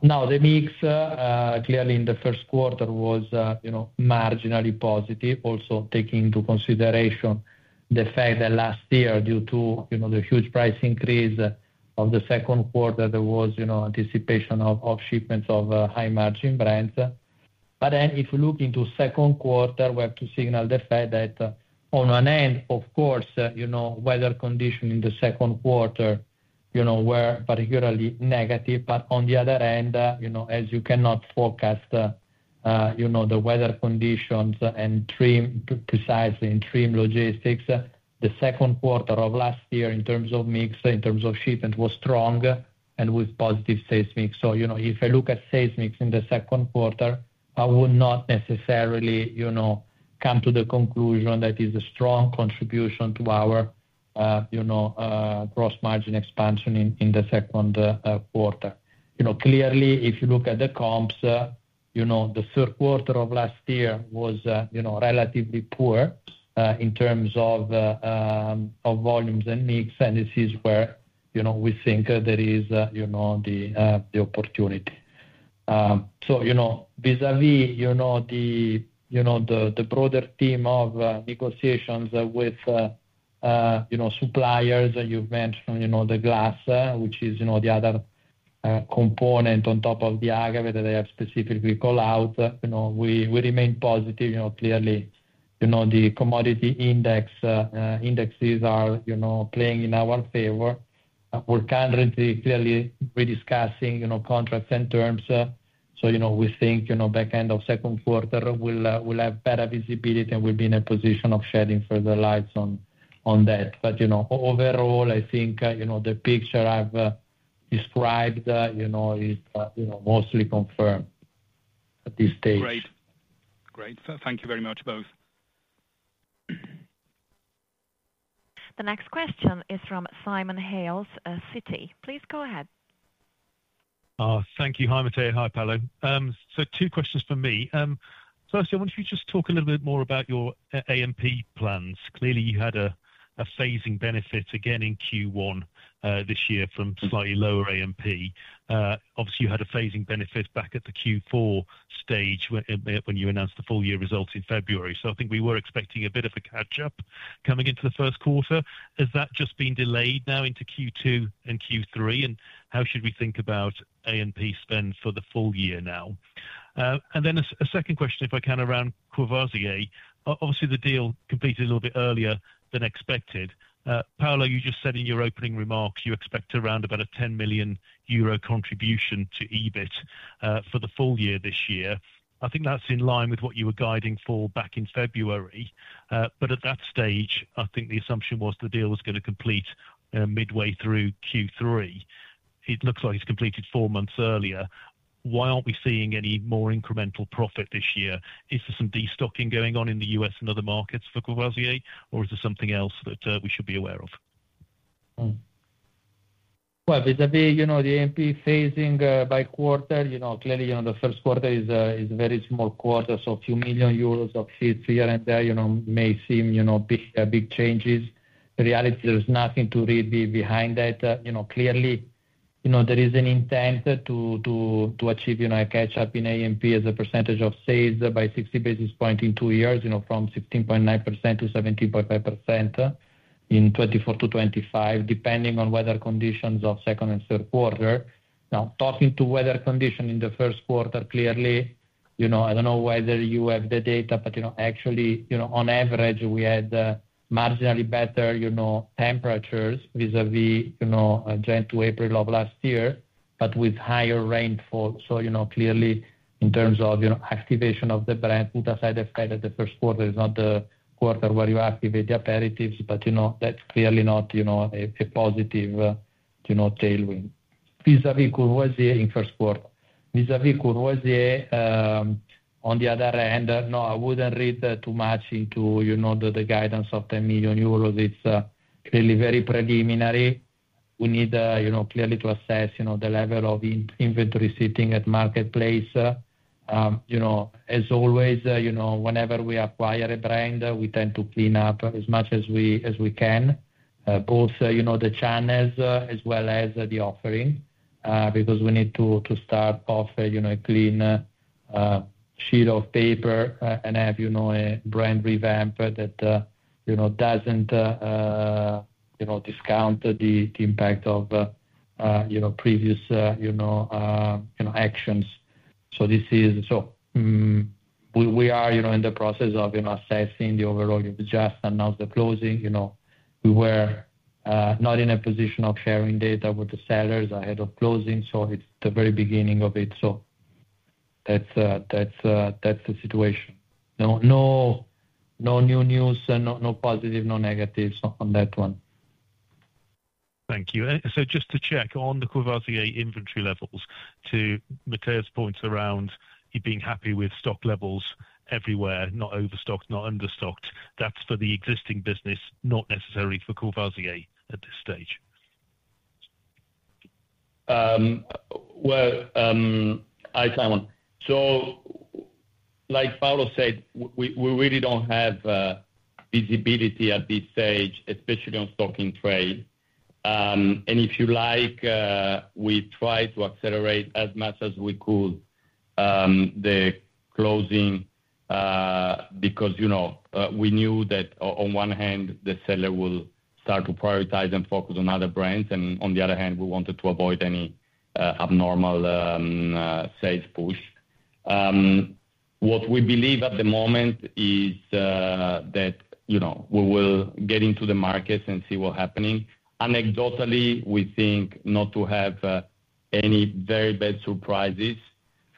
Now, the mix clearly in the first quarter was, you know, marginally positive. Also, taking into consideration the fact that last year, due to, you know, the huge price increase of the second quarter, there was, you know, anticipation of shipments of high-margin brands... But then if you look into second quarter, we have to signal the fact that, on one hand, of course, you know, weather condition in the second quarter, you know, were particularly negative. But on the other hand, you know, as you cannot forecast, you know, the weather conditions and timing precisely and timing logistics, the second quarter of last year, in terms of mix, in terms of shipment, was strong and with positive sales mix. So, you know, if I look at sales mix in the second quarter, I would not necessarily, you know, come to the conclusion that is a strong contribution to our, you know, gross margin expansion in, in the second quarter. You know, clearly, if you look at the comps, you know, the third quarter of last year was, you know, relatively poor in terms of volumes and mix, and this is where, you know, we think there is, you know, the opportunity. So, you know, vis-à-vis, you know, the broader theme of negotiations with, you know, suppliers, you've mentioned, you know, the glass, which is, you know, the other component on top of the agave that I have specifically call out. You know, we remain positive, you know, clearly, you know, the commodity indexes are, you know, playing in our favor. We're currently clearly rediscussing, you know, contracts and terms, so, you know, we think, you know, back end of second quarter, we'll, we'll have better visibility, and we'll be in a position of shedding further lights on, on that. But, you know, overall, I think, you know, the picture I've described, you know, is, you know, mostly confirmed at this stage. Great. Great. So thank you very much, both. The next question is from Simon Hales at Citi. Please go ahead. Thank you. Hi, Matteo. Hi, Paolo. So two questions for me. Firstly, I wonder if you could just talk a little bit more about your A&P plans. Clearly, you had a phasing benefit again in Q1 this year from slightly lower A&P. Obviously, you had a phasing benefit back at the Q4 stage when you announced the full year results in February. So I think we were expecting a bit of a catch-up coming into the first quarter. Has that just been delayed now into Q2 and Q3? And how should we think about A&P spend for the full year now? And then a second question, if I can, around Courvoisier. Obviously, the deal completed a little bit earlier than expected. Paolo, you just said in your opening remarks, you expect around about a 10 million euro contribution to EBIT for the full year this year. I think that's in line with what you were guiding for back in February. But at that stage, I think the assumption was the deal was gonna complete midway through Q3. It looks like it's completed four months earlier. Why aren't we seeing any more incremental profit this year? Is there some destocking going on in the U.S. and other markets for Courvoisier, or is there something else that we should be aware of? Hmm. Well, vis-à-vis, you know, the A&P phasing, by quarter, you know, clearly, you know, the first quarter is a very small quarter, so a few million EUR here and there, you know, may seem, you know, big changes. But reality, there is nothing to really be behind that. You know, clearly, you know, there is an intent to achieve, you know, a catch-up in A&P as a percentage of sales by 60 basis points in two years, you know, from 16.9%-17.5%, in 2024 to 2025, depending on weather conditions of second and third quarter. Now, talking to weather condition in the first quarter, clearly, you know, I don't know whether you have the data, but, you know, actually, you know, on average, we had marginally better, you know, temperatures vis-à-vis, you know, January to April of last year, but with higher rainfall. So, you know, clearly, in terms of, you know, activation of the brand, put aside the fact that the first quarter is not the quarter where you activate the aperitifs, but, you know, that's clearly not, you know, a positive tailwind. Vis-à-vis Courvoisier in first quarter. Vis-à-vis Courvoisier, on the other hand, no, I wouldn't read too much into, you know, the guidance of 10 million euros. It's really very preliminary. We need, you know, clearly to assess, you know, the level of in-inventory sitting at marketplace. You know, as always, you know, whenever we acquire a brand, we tend to clean up as much as we can, both, you know, the channels, as well as the offering, because we need to start off, you know, a clean sheet of paper, and have, you know, a brand revamp that, you know, doesn't discount the impact of, you know, previous actions. So this is. So, we are, you know, in the process of, you know, assessing the overall. You've just announced the closing, you know. We were not in a position of sharing data with the sellers ahead of closing, so it's the very beginning of it. So that's the situation. No, no, no new news, no positive, no negatives on that one. Thank you. Just to check on the Courvoisier inventory levels, to Matteo's points around you being happy with stock levels everywhere, not overstocked, not understocked. That's for the existing business, not necessarily for Courvoisier at this stage? Well, hi, Simon. So like Paolo said, we really don't have visibility at this stage, especially on stocking trade. And if you like, we try to accelerate as much as we could the closing because, you know, we knew that on one hand, the seller will start to prioritize and focus on other brands, and on the other hand, we wanted to avoid any abnormal sales push. What we believe at the moment is that, you know, we will get into the markets and see what happening. Anecdotally, we think not to have any very bad surprises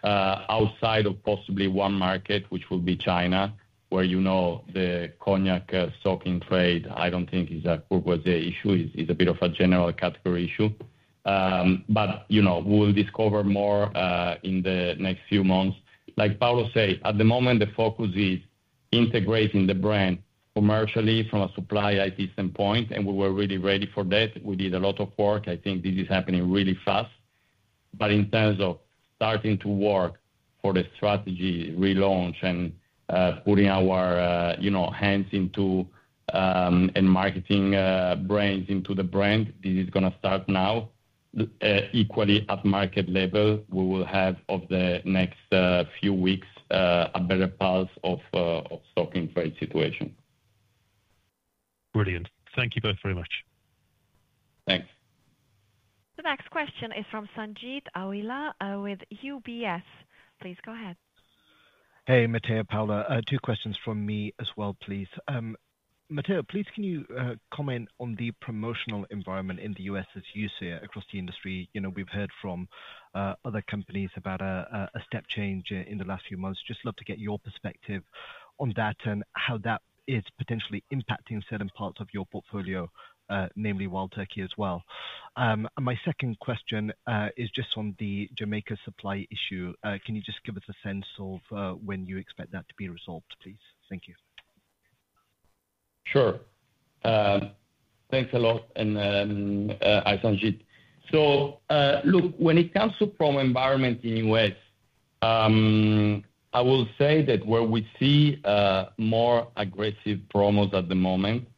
outside of possibly one market, which will be China, where, you know, the cognac stocking trade, I don't think is a Courvoisier issue, is a bit of a general category issue. But, you know, we'll discover more in the next few months. Like Paolo say, at the moment, the focus is integrating the brand commercially from a supply IT standpoint, and we were really ready for that. We did a lot of work. I think this is happening really fast. But in terms of starting to work for the strategy relaunch and, putting our, you know, hands into, and marketing, brains into the brand, this is gonna start now. Equally at market level, we will have, over the next, few weeks, a better pulse of of stocking trade situation. Brilliant. Thank you both very much. Thanks. The next question is from Sanjeet Aujla, with UBS. Please go ahead. Hey, Matteo, Paolo, two questions from me as well, please. Matteo, please, can you comment on the promotional environment in the U.S. as you see it across the industry? You know, we've heard from other companies about a step change in the last few months. Just love to get your perspective on that and how that is potentially impacting certain parts of your portfolio, namely Wild Turkey as well. My second question is just on the Jamaica supply issue. Can you just give us a sense of when you expect that to be resolved, please? Thank you. Sure. Thanks a lot, and, hi, Sanjeet. So, look, when it comes to promo environment in U.S., I will say that where we see more aggressive promos at the moment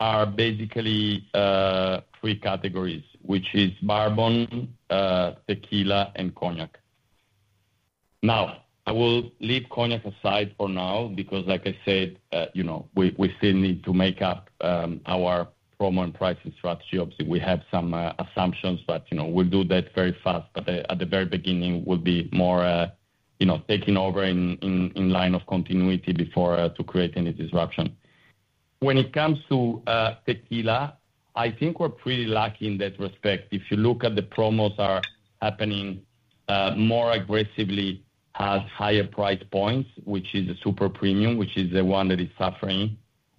are basically three categories, which is bourbon, tequila, and cognac. Now, I will leave cognac aside for now, because like I said, you know, we still need to make up our promo and pricing strategy. Obviously, we have some assumptions, but, you know, we'll do that very fast. But at the very beginning, we'll be more, you know, taking over in line of continuity before to create any disruption. When it comes to tequila, I think we're pretty lucky in that respect. If you look at the promos are happening more aggressively at higher price points, which is a super premium, which is the one that is suffering.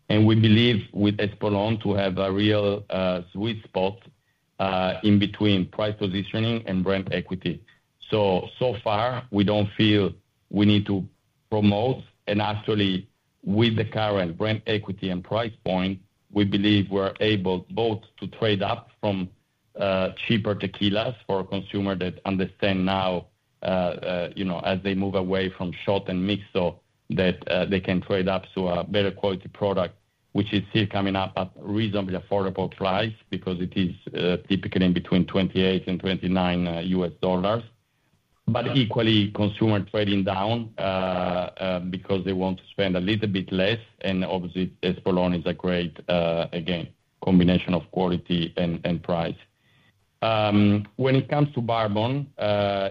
And we believe with Espolón to have a real sweet spot in between price positioning and brand equity. So, so far, we don't feel we need to promote. And actually, with the current brand equity and price point, we believe we're able both to trade up from cheaper tequilas for a consumer that understand now you know, as they move away from shot and mixer, that they can trade up to a better quality product, which is still coming up at reasonably affordable price because it is typically in between $28-$29. But equally, consumer trading down, because they want to spend a little bit less, and obviously, Espolòn is a great, again, combination of quality and, and price. When it comes to bourbon,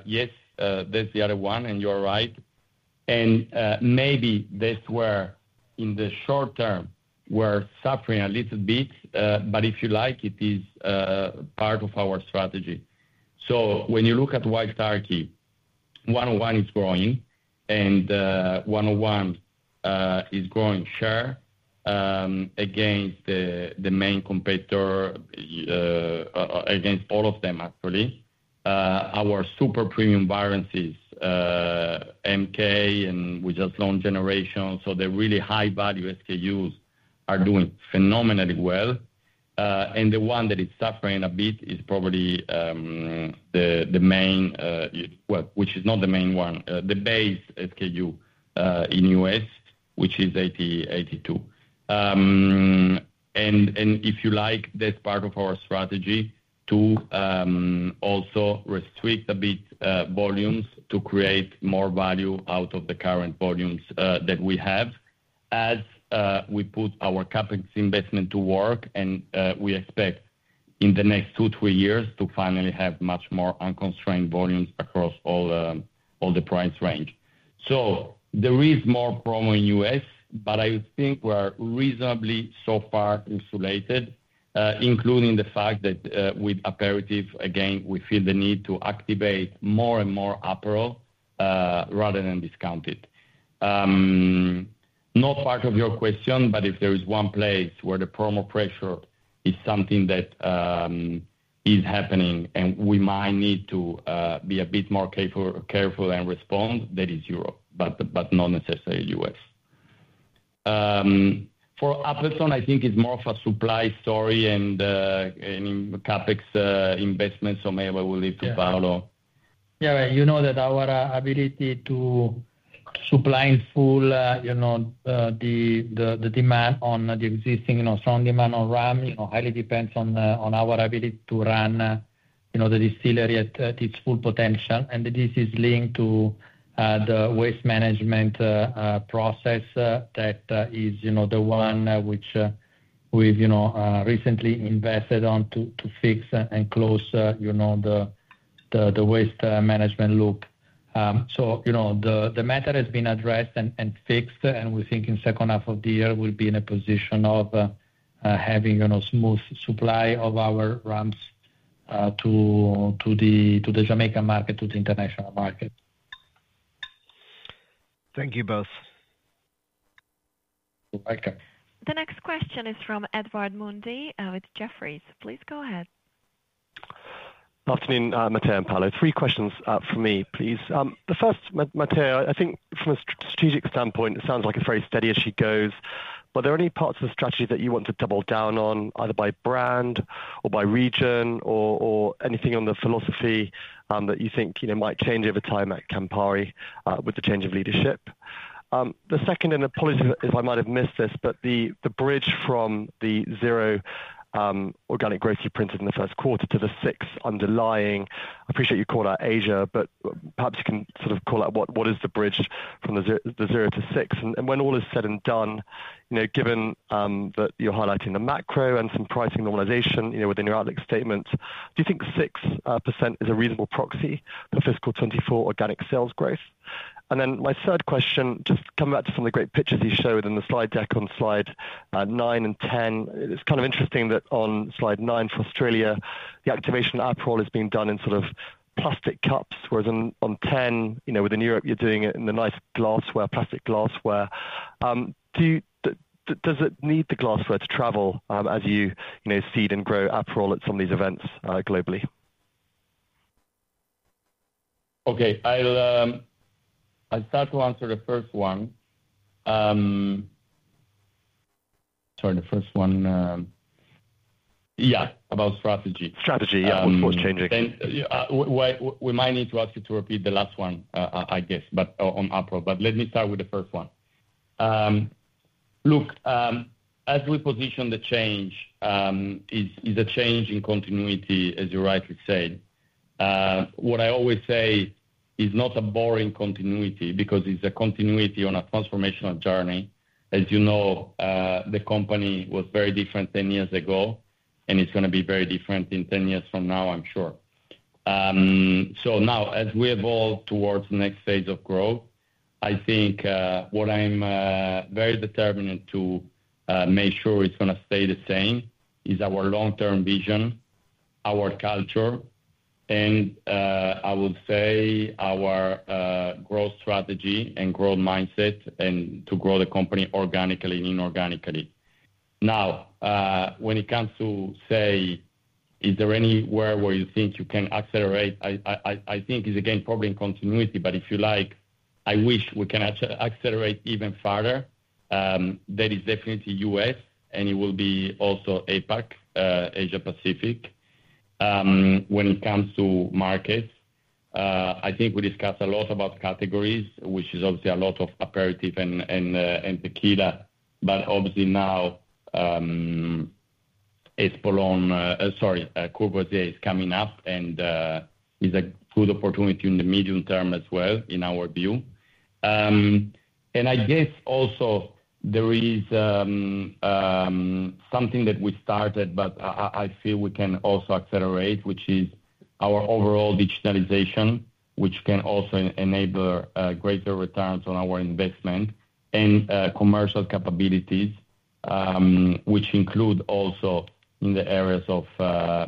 yes, that's the other one, and you're right. And, maybe that's where in the short term, we're suffering a little bit, but if you like, it is, part of our strategy. So when you look at Wild Turkey, 101 is growing, and, 101, is growing share, against the, the main competitor, against all of them, actually. Our super premium variants, Rare, and we just launched Generations. So the really high-value SKUs are doing phenomenally well, and the one that is suffering a bit is probably the main, well which is not the main one, the base SKU in U.S., which is 82. And if you like, that's part of our strategy to also restrict a bit volumes to create more value out of the current volumes that we have. As we put our CapEx investment to work, and we expect in the next two, three years to finally have much more unconstrained volumes across all the price range. So there is more promo in U.S., but I think we are reasonably so far insulated, including the fact that with Aperol, again, we feel the need to activate more and more Aperol rather than discount it. Not part of your question, but if there is one place where the promo pressure is something that is happening and we might need to be a bit more careful and respond, that is Europe, but not necessarily U.S. For Appleton, I think it's more of a supply story and CapEx investment, so maybe I will leave to Paolo. Yeah, you know that our ability to supply in full, you know, the demand on the existing, you know, strong demand on rum, you know, highly depends on, on our ability to run, you know, the distillery at its full potential, and this is linked to the waste management process that is, you know, the one which we've you know recently invested on to fix and close you know the waste management loop. So, you know, the matter has been addressed and fixed, and we think in second half of the year we'll be in a position of having you know smooth supply of our rums to the Jamaican market, to the international market. Thank you, both. Welcome. The next question is from Edward Mundy, with Jefferies. Please go ahead. Good afternoon, Matteo and Paolo. Three questions for me, please. The first, Matteo, I think from a strategic standpoint, it sounds like it's very steady as she goes, but are there any parts of the strategy that you want to double down on, either by brand or by region, or anything on the philosophy that you think, you know, might change over time at Campari with the change of leadership? The second, and apologies if I might have missed this, but the bridge from the zero organic growth you printed in the first quarter to the six underlying... I appreciate you called out Asia, but perhaps you can sort of call out what is the bridge from the zero to six? When all is said and done, you know, given that you're highlighting the macro and some pricing normalization, you know, within your outlook statement, do you think 6% is a reasonable proxy for fiscal 2024 organic sales growth? And then my third question, just coming back to some of the great pictures you showed in the slide deck on slide 9 and 10. It's kind of interesting that on slide 9 for Australia, the activation Aperol is being done in sort of plastic cups, whereas on 10, you know, within Europe, you're doing it in the nice glassware, plastic glassware. Do you does it need the glassware to travel, as you know, seed and grow Aperol at some of these events globally? Okay, I'll, I'll start to answer the first one. Sorry, the first one... Yeah, about strategy. Strategy, yeah, what's changing? Yeah, we might need to ask you to repeat the last one, I guess, but on Aperol, but let me start with the first one. Look, as we position the change, is a change in continuity, as you rightly said. What I always say is not a boring continuity, because it's a continuity on a transformational journey. As you know, the company was very different 10 years ago, and it's gonna be very different in 10 years from now, I'm sure. So now, as we evolve towards the next phase of growth, I think, what I'm very determined to make sure it's gonna stay the same is our long-term vision, our culture, and I would say our growth strategy and growth mindset, and to grow the company organically and inorganically. Now, when it comes to, say, is there anywhere where you think you can accelerate? I think it's again, probably in continuity, but if you like, I wish we can accelerate even farther. That is definitely U.S., and it will be also APAC, Asia Pacific. When it comes to markets, I think we discussed a lot about categories, which is obviously a lot of aperitif and tequila, but obviously now, Espolòn, sorry, Courvoisier is coming up and is a good opportunity in the medium term as well, in our view. And I guess also there is something that we started, but I feel we can also accelerate, which is our overall digitalization, which can also enable greater returns on our investment and commercial capabilities, which include also in the areas of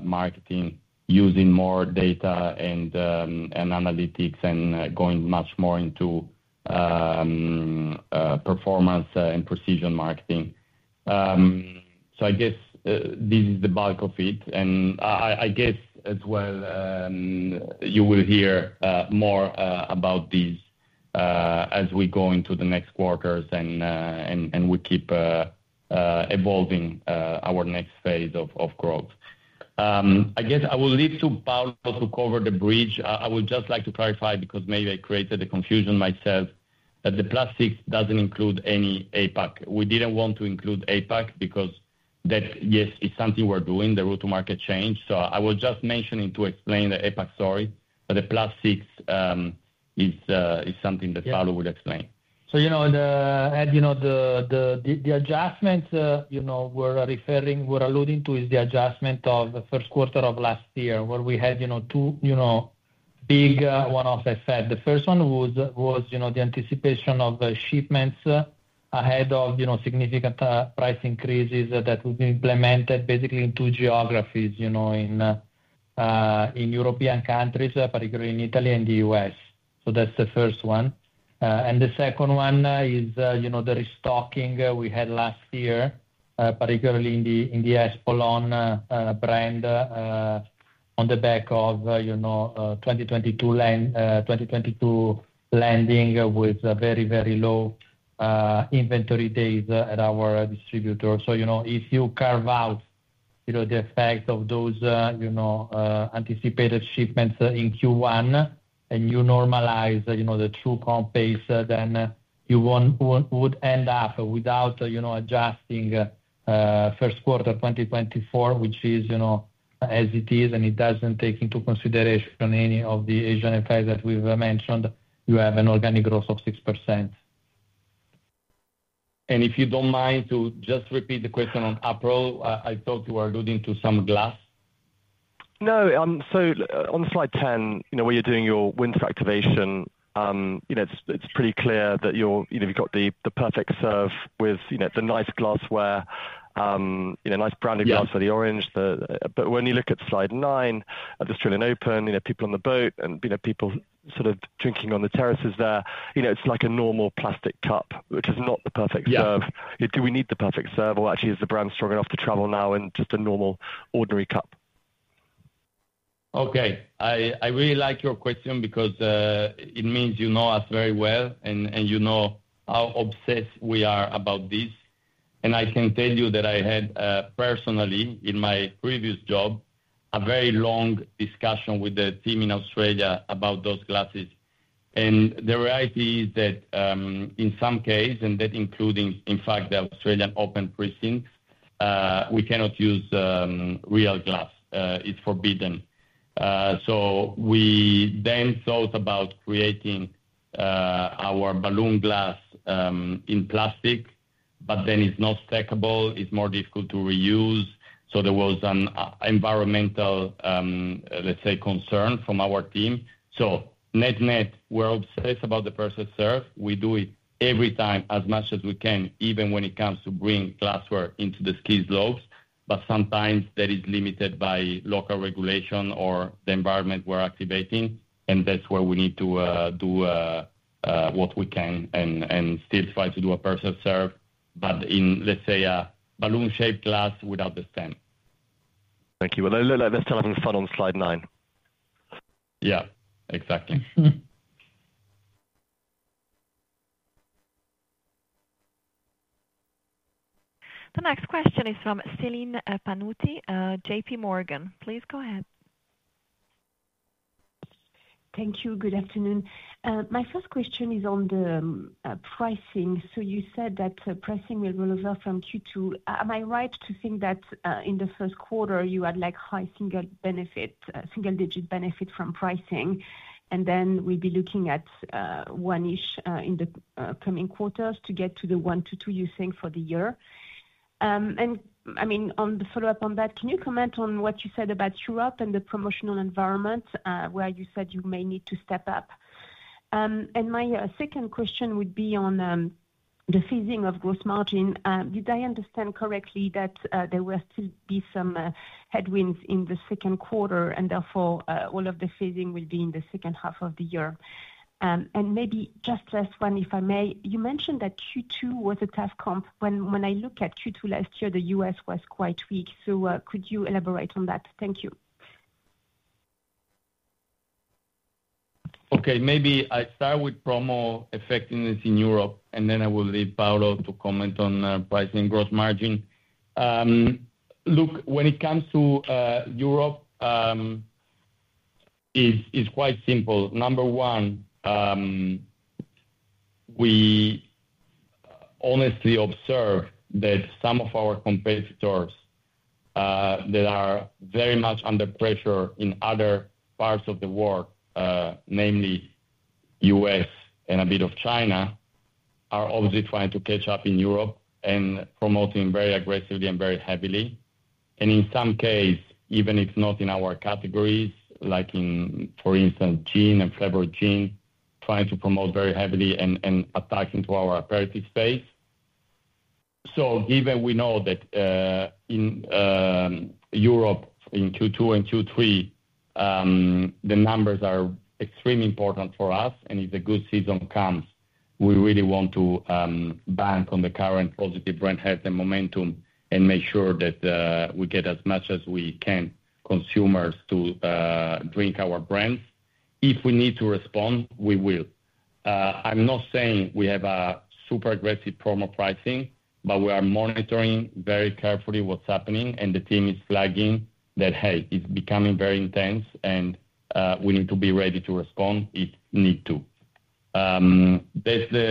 marketing, using more data and analytics, and going much more into performance and precision marketing. So I guess this is the bulk of it, and I guess as well, you will hear more about these as we go into the next quarters and we keep evolving our next phase of growth. I guess I will leave to Paolo to cover the bridge. I would just like to clarify, because maybe I created the confusion myself, that the plastic doesn't include any APAC. We didn't want to include APAC because that, yes, it's something we're doing, the go-to-market change, so I was just mentioning to explain the APAC story, but the plastics is something that Paolo would explain. So, you know, Ed, you know, the adjustment we're referring, we're alluding to is the adjustment of the first quarter of last year, where we had, you know, two, you know, big one-offs I said. The first one was, you know, the anticipation of the shipments ahead of, you know, significant price increases that were being implemented basically in two geographies, you know, in European countries, particularly in Italy and the U.S. So that's the first one. And the second one is, you know, the restocking we had last year, particularly in the Espolòn brand, on the back of, you know, 2022 landing with very, very low inventory days at our distributor. So, you know, if you carve out, you know, the effect of those, you know, anticipated shipments in Q1 and you normalize, you know, the true comp pace, then you would end up without, you know, adjusting first quarter 2024, which is, you know, as it is, and it doesn't take into consideration any of the Asian effects that we've mentioned. You have an organic growth of 6%. And if you don't mind to just repeat the question on Aperol, I thought you were alluding to some glass. No. So on slide ten, you know, where you're doing your winter activation, you know, it's, it's pretty clear that you're... You know, you've got the, the perfect serve with, you know, the nice glassware, you know, nice branded glass- Yeah —for the orange. But when you look at slide nine, at the Australian Open, you know, people on the boat and, you know, people sort of drinking on the terraces there, you know, it's like a normal plastic cup, which is not the perfect serve. Yeah. Do we need the perfect serve, or actually, is the brand strong enough to travel now in just a normal, ordinary cup? Okay. I, I really like your question because it means you know us very well and, and you know how obsessed we are about this. And I can tell you that I had personally, in my previous job, a very long discussion with the team in Australia about those glasses. And the reality is that in some case, and that including, in fact, the Australian Open precinct, we cannot use real glass. It's forbidden. So we then thought about creating our balloon glass in plastic, but then it's not stackable, it's more difficult to reuse. So there was an environmental, let's say, concern from our team. So net-net, we're obsessed about the perfect serve. We do it every time, as much as we can, even when it comes to bring glassware into the ski slopes, but sometimes that is limited by local regulation or the environment we're activating, and that's where we need to do what we can and still try to do a perfect serve, but in, let's say, a balloon-shaped glass without the stem. Thank you. Well, they're still having fun on slide nine. Yeah, exactly. The next question is from Celine Pannuti, JP Morgan. Please go ahead. Thank you. Good afternoon. My first question is on the pricing. So you said that pricing will roll over from Q2. Am I right to think that in the first quarter, you had, like, high single benefit, single-digit benefit from pricing, and then we'll be looking at 1-ish in the coming quarters to get to the 1-2 you think for the year? And, I mean, on the follow-up on that, can you comment on what you said about Europe and the promotional environment, where you said you may need to step up? And my second question would be on the ceasing of gross margin. Did I understand correctly that there will still be some headwinds in the second quarter, and therefore, all of the ceasing will be in the second half of the year? And maybe just last one, if I may: You mentioned that Q2 was a tough comp. When I look at Q2 last year, the U.S. was quite weak, so could you elaborate on that? Thank you. Okay, maybe I start with promo effectiveness in Europe, and then I will leave Paolo to comment on pricing gross margin. Look, when it comes to Europe, it's quite simple. Number one, we honestly observe that some of our competitors that are very much under pressure in other parts of the world, namely U.S. and a bit of China, are obviously trying to catch up in Europe and promoting very aggressively and very heavily. And in some case, even if not in our categories, like in, for instance, gin and flavored gin, trying to promote very heavily and attacking to our aperitif space. So given we know that, in Europe, in Q2 and Q3, the numbers are extremely important for us, and if a good season comes, we really want to bank on the current positive brand health and momentum and make sure that we get as much as we can, consumers to drink our brands. If we need to respond, we will. I'm not saying we have a super aggressive promo pricing, but we are monitoring very carefully what's happening, and the team is flagging that, "Hey, it's becoming very intense, and we need to be ready to respond if need to." That's the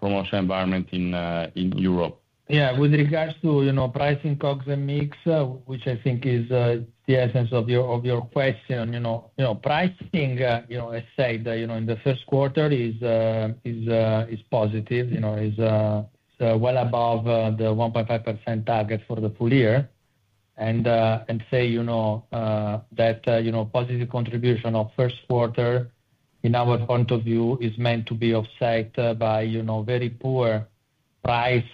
promotional environment in Europe. Yeah, with regards to, you know, pricing, COGS and mix, which I think is the essence of your, of your question. You know, you know, pricing, you know, I said, you know, in the first quarter is positive, you know, is well above the 1.5% target for the full year. And, and say, you know, that, you know, positive contribution of first quarter, in our point of view, is meant to be offset by, you know, very poor price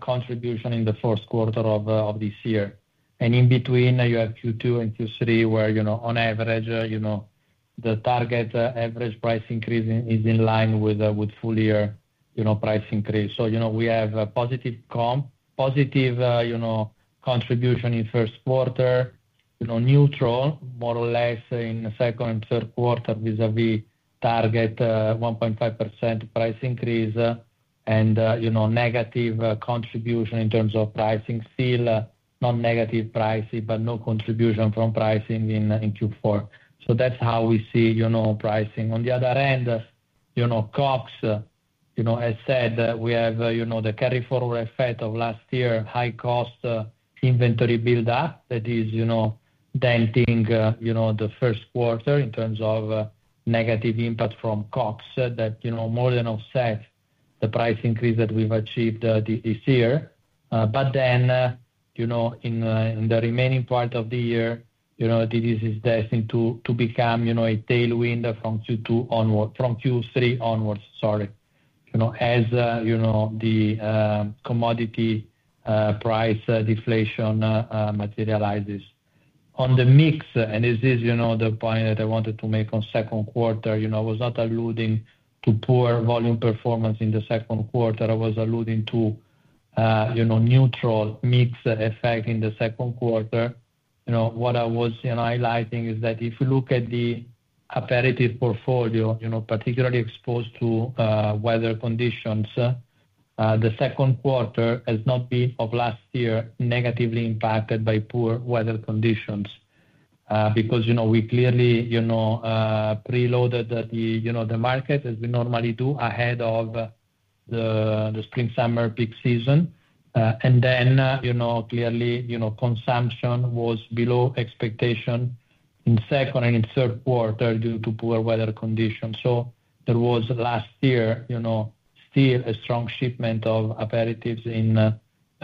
contribution in the fourth quarter of this year. And in between, you have Q2 and Q3, where, you know, on average, you know, the target average price increase is in line with full year, you know, price increase. So, you know, we have a positive comp, positive contribution in first quarter, you know, neutral, more or less, in the second and third quarter vis-a-vis target, 1.5% price increase. and, you know, negative contribution in terms of pricing. Still, not negative pricing, but no contribution from pricing in Q4. So that's how we see, you know, pricing. On the other hand, you know, COGS, you know, as said, we have, you know, the carry forward effect of last year, high cost inventory build-up that is, you know, denting, you know, the first quarter in terms of negative impact from COGS that, you know, more than offset the price increase that we've achieved this year. But then, you know, in the remaining part of the year, you know, this is destined to become, you know, a tailwind from Q2 onward... From Q3 onwards, sorry. You know, as you know, the commodity price deflation materializes. On the mix, and this is, you know, the point that I wanted to make on second quarter, you know, was not alluding to poor volume performance in the second quarter. I was alluding to, you know, neutral mix effect in the second quarter. You know, what I was, you know, highlighting is that if you look at the aperitif portfolio, you know, particularly exposed to, weather conditions, the second quarter has not been of last year negatively impacted by poor weather conditions. Because, you know, we clearly, you know, preloaded the, you know, the market as we normally do ahead of, the, the spring/summer peak season. And then, you know, clearly, you know, consumption was below expectation in second and in third quarter due to poor weather conditions. So there was last year, you know, still a strong shipment of aperitifs in, a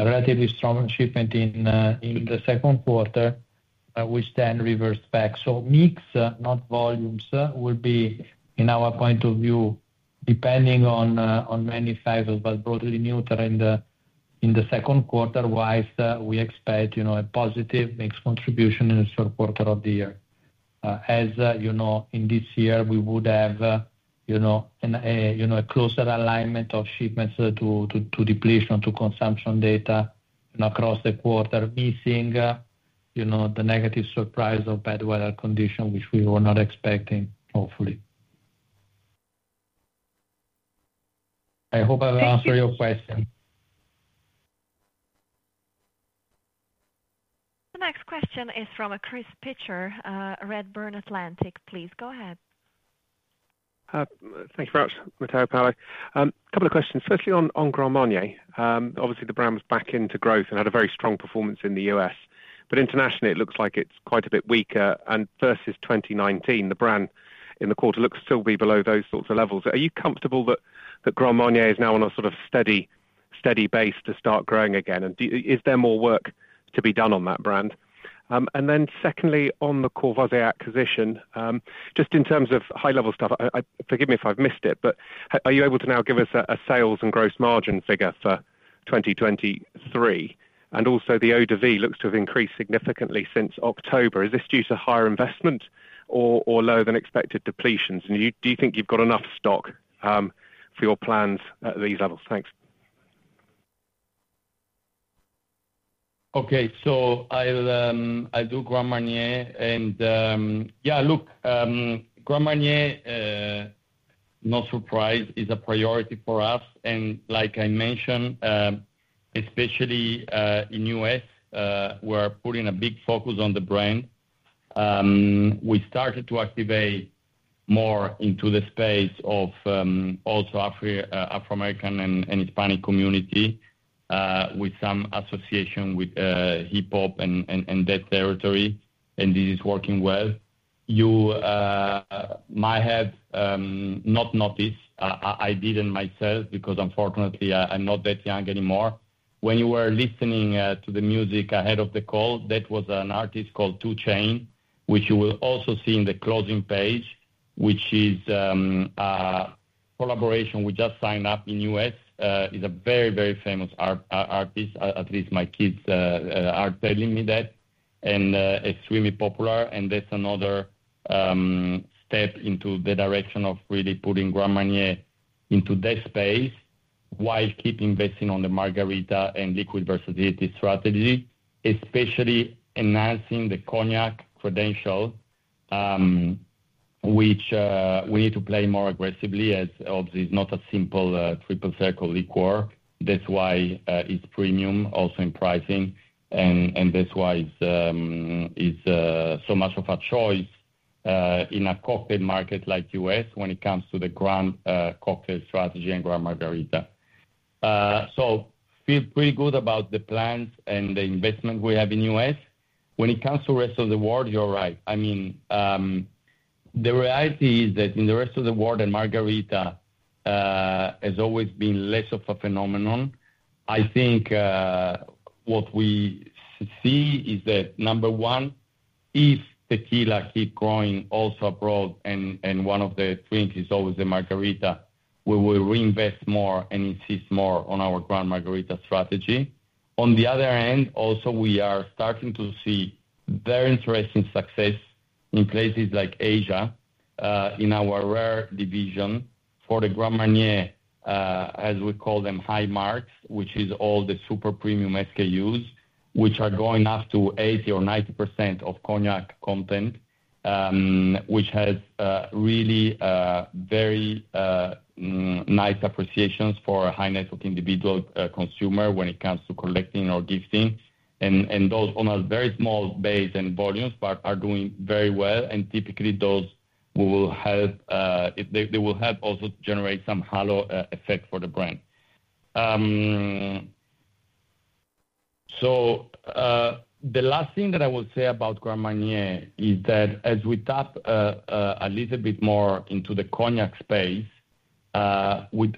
relatively strong shipment in, in the second quarter, which then reversed back. So mix, not volumes, will be, in our point of view, depending on, on many factors, but broadly neutral in the, in the second quarter-wise. We expect, you know, a positive mix contribution in the third quarter of the year. As, you know, in this year we would have, you know, an, you know, a closer alignment of shipments to, to, to depletion, to consumption data and across the quarter, missing, you know, the negative surprise of bad weather conditions, which we were not expecting, hopefully. I hope I've answered your question. Thank you. The next question is from Chris Pitcher, Redburn Atlantic. Please go ahead. Thank you very much, Matteo Fantacchiotti. A couple of questions, firstly, on Grand Marnier. Obviously, the brand was back into growth and had a very strong performance in the U.S., but internationally it looks like it's quite a bit weaker. Versus 2019, the brand in the quarter looks to still be below those sorts of levels. Are you comfortable that Grand Marnier is now on a sort of steady base to start growing again? Is there more work to be done on that brand? Then secondly, on the Courvoisier acquisition, just in terms of high-level stuff, forgive me if I've missed it, but are you able to now give us a sales and gross margin figure for 2023? Also the eau de vie looks to have increased significantly since October. Is this due to higher investment or, or lower than expected depletions? And do you, do you think you've got enough stock, for your plans at these levels? Thanks. Okay. So I'll do Grand Marnier. And yeah, look, Grand Marnier, no surprise, is a priority for us. And like I mentioned, especially in the U.S., we're putting a big focus on the brand. We started to activate more into the space of also African American and Hispanic community, with some association with hip-hop and that territory, and this is working well. You might have not noticed. I didn't myself, because unfortunately, I'm not that young anymore. When you were listening to the music ahead of the call, that was an artist called 2 Chainz, which you will also see in the closing page, which is a collaboration we just signed up in the U.S. He's a very, very famous artist, at least my kids are telling me that. And he's really popular, and that's another step into the direction of really putting Grand Marnier into that space, while keep investing on the margarita and liquid versatility strategy, especially enhancing the cognac credential, which we need to play more aggressively, as obviously it's not a simple Triple Sec liqueur. That's why it's premium, also in pricing, and that's why it's so much of a choice in a cocktail market like U.S. when it comes to the grand cocktail strategy and Grand Margarita. So feel pretty good about the plans and the investment we have in U.S. When it comes to rest of the world, you're right. I mean, the reality is that in the rest of the world, and margarita, has always been less of a phenomenon. I think, what we see is that, number one, if tequila keep growing also abroad, and, and one of the drinks is always the margarita, we will reinvest more and insist more on our Grand Margarita strategy. On the other hand, also, we are starting to see very interesting success in places like Asia, in our Rare division for the Grand Marnier, as we call them, high marque, which is all the super premium SKUs, which are going up to 80% or 90% of cognac content... which has, really, very, nice appreciations for a high net worth individual, consumer when it comes to collecting or gifting. And those on a very small base and volumes, but are doing very well. Typically those will help; they will help also to generate some halo effect for the brand. So, the last thing that I will say about Grand Marnier is that as we tap a little bit more into the cognac space, we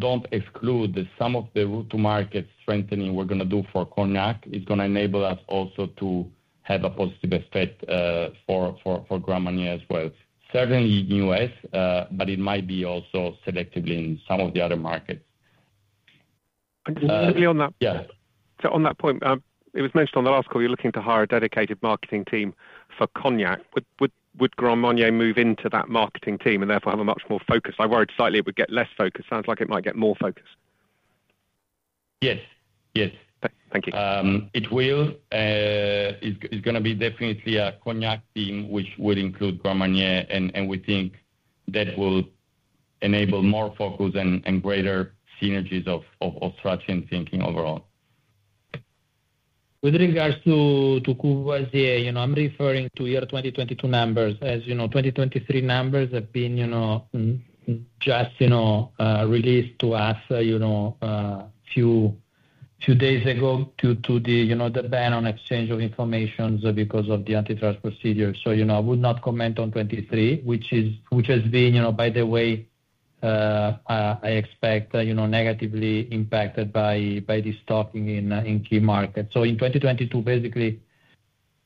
don't exclude that some of the route to market strengthening we're gonna do for cognac is gonna enable us also to have a positive effect for Grand Marnier as well. Certainly U.S., but it might be also selectively in some of the other markets. Just quickly on that- Yeah. So on that point, it was mentioned on the last call, you're looking to hire a dedicated marketing team for cognac. Would Grand Marnier move into that marketing team and therefore have a much more focus? I worried slightly it would get less focused. Sounds like it might get more focused. Yes. Yes. Thank you. It will. It's gonna be definitely a cognac team, which will include Grand Marnier, and we think that will enable more focus and greater synergies of strategy and thinking overall. With regards to Courvoisier, you know, I'm referring to year 2022 numbers. As you know, 2023 numbers have been, you know, just released to us, you know, few days ago, due to the ban on exchange of information because of the antitrust procedure. So, you know, I would not comment on 2023, which has been, you know, by the way, I expect, you know, negatively impacted by the destocking in key markets. So in 2022, basically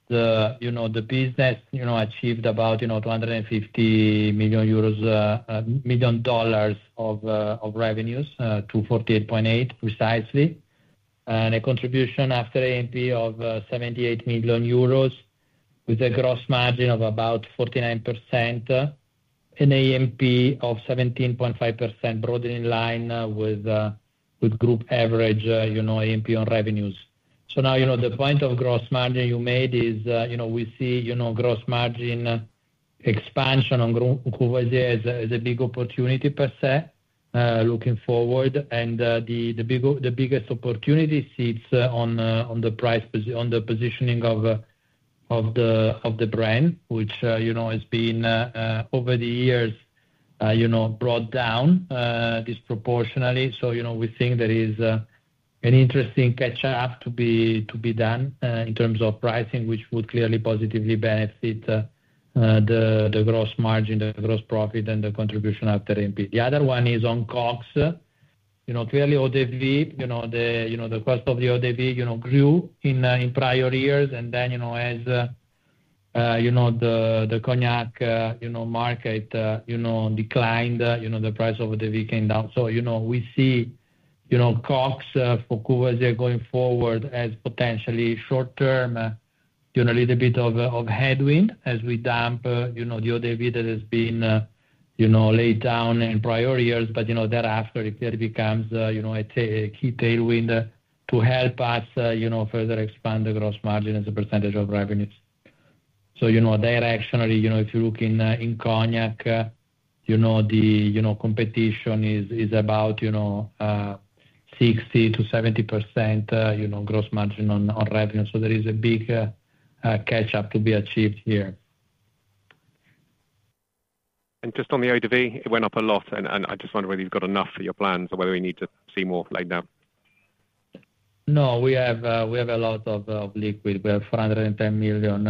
the, you know, the business, you know, achieved about, you know, 250 million euros, million dollars of, of revenues, to 248.8, precisely. And a contribution after A&P of, seventy-eight million euros with a gross margin of about 49%, an A&P of 17.5%, broadly in line, with, with group average, you know, A&P on revenues. So now, you know, the point of gross margin you made is, you know, we see, you know, gross margin expansion on Courvoisier as a, as a big opportunity per se, looking forward. The biggest opportunity sits on the positioning of the brand, which, you know, has been over the years, you know, brought down disproportionately. So, you know, we think there is an interesting catch up to be done in terms of pricing, which would clearly positively benefit the gross margin, the gross profit, and the contribution after A&P. The other one is on COGS. You know, clearly, eau de vie, you know, the cost of the eau de vie, you know, grew in prior years. Then, you know, as you know, the cognac market declined, you know, the price of eau de vie came down. So, you know, we see, you know, COGS for Courvoisier going forward as potentially short term, you know, a little bit of headwind as we ramp down the eau de vie that has been, you know, laid down in prior years. But, you know, thereafter, it clearly becomes, you know, a key tailwind to help us, you know, further expand the gross margin as a percentage of revenues. So, you know, directionally, you know, if you look in cognac, you know, the competition is about 60%-70% gross margin on revenue. So there is a big catch-up to be achieved here. Just on the eau de vie, it went up a lot, and I just wonder whether you've got enough for your plans or whether we need to see more laid down? No, we have a lot of liquid. We have $510 million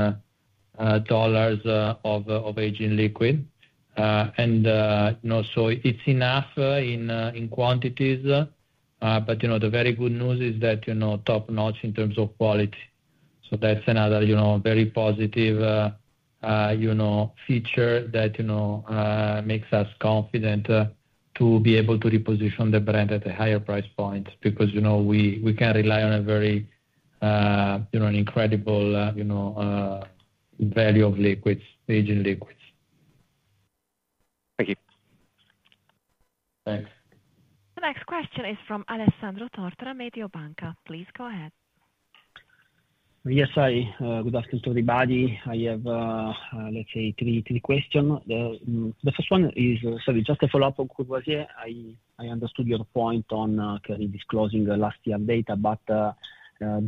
of aging liquid. You know, so it's enough in quantities, but you know, the very good news is that you know, top-notch in terms of quality. So that's another you know, very positive feature that you know makes us confident to be able to reposition the brand at a higher price point. Because you know, we can rely on a very you know, an incredible value of liquids, aging liquids. Thank you. Thanks. The next question is from Alessandro Tortora, Mediobanca. Please go ahead. Yes. Good afternoon to everybody. I have, let's say, three questions. The first one is, sorry, just a follow-up on Courvoisier. I understood your point on kind of disclosing the last year data, but there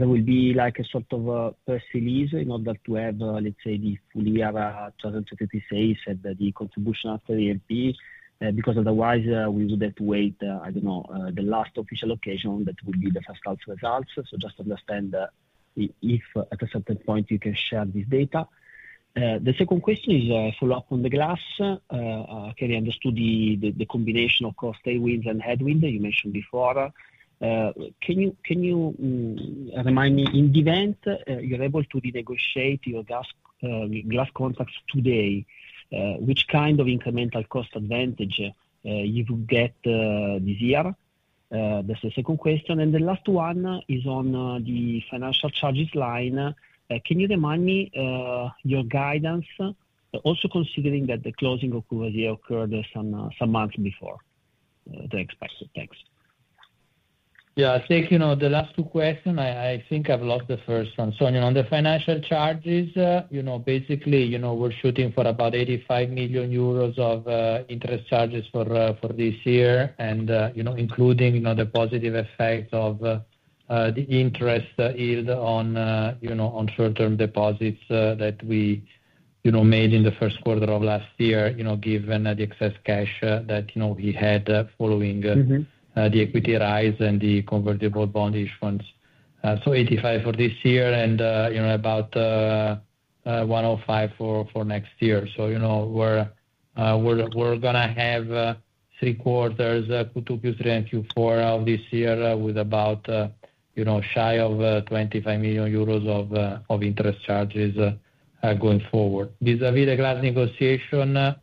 will be, like, a sort of press release in order to have, let's say, the full year 2023 says that the contribution after A&P, because otherwise we would have to wait, I don't know, the last official occasion. That would be the first quarter results. So just to understand if at a certain point you can share this data. The second question is follow up on the glass. Can I understood the combination of cost tailwinds and headwind you mentioned before. Can you remind me, in the event you're able to renegotiate your glass contracts today, which kind of incremental cost advantage you would get this year? That's the second question. And the last one is on the financial charges line. Can you remind me your guidance, also considering that the closing of Courvoisier occurred some months before the expected? Thanks.... Yeah, I think, you know, the last two questions, I think I've lost the first one. So, you know, on the financial charges, you know, basically, you know, we're shooting for about 85 million euros of interest charges for this year. And, you know, including, you know, the positive effect of the interest yield on, you know, on short-term deposits that we, you know, made in the first quarter of last year, you know, given the excess cash that, you know, we had following- Mm-hmm ... the equity rise and the convertible bond issuance. So 85 for this year and, you know, about 105 for next year. So, you know, we're gonna have three quarters, Q2, Q3, and Q4 of this year, with about, you know, shy of 25 million euros of interest charges going forward. Vis-à-vis the glass negotiation, you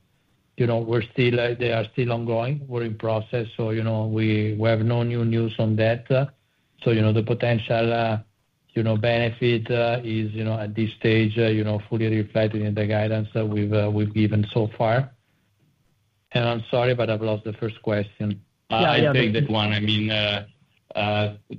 know, we're still, they are still ongoing. We're in process so, you know, we have no new news on that. So, you know, the potential, you know, benefit is, you know, at this stage, you know, fully reflected in the guidance that we've given so far. And I'm sorry, but I've lost the first question. Yeah, yeah. I'll take that one. I mean,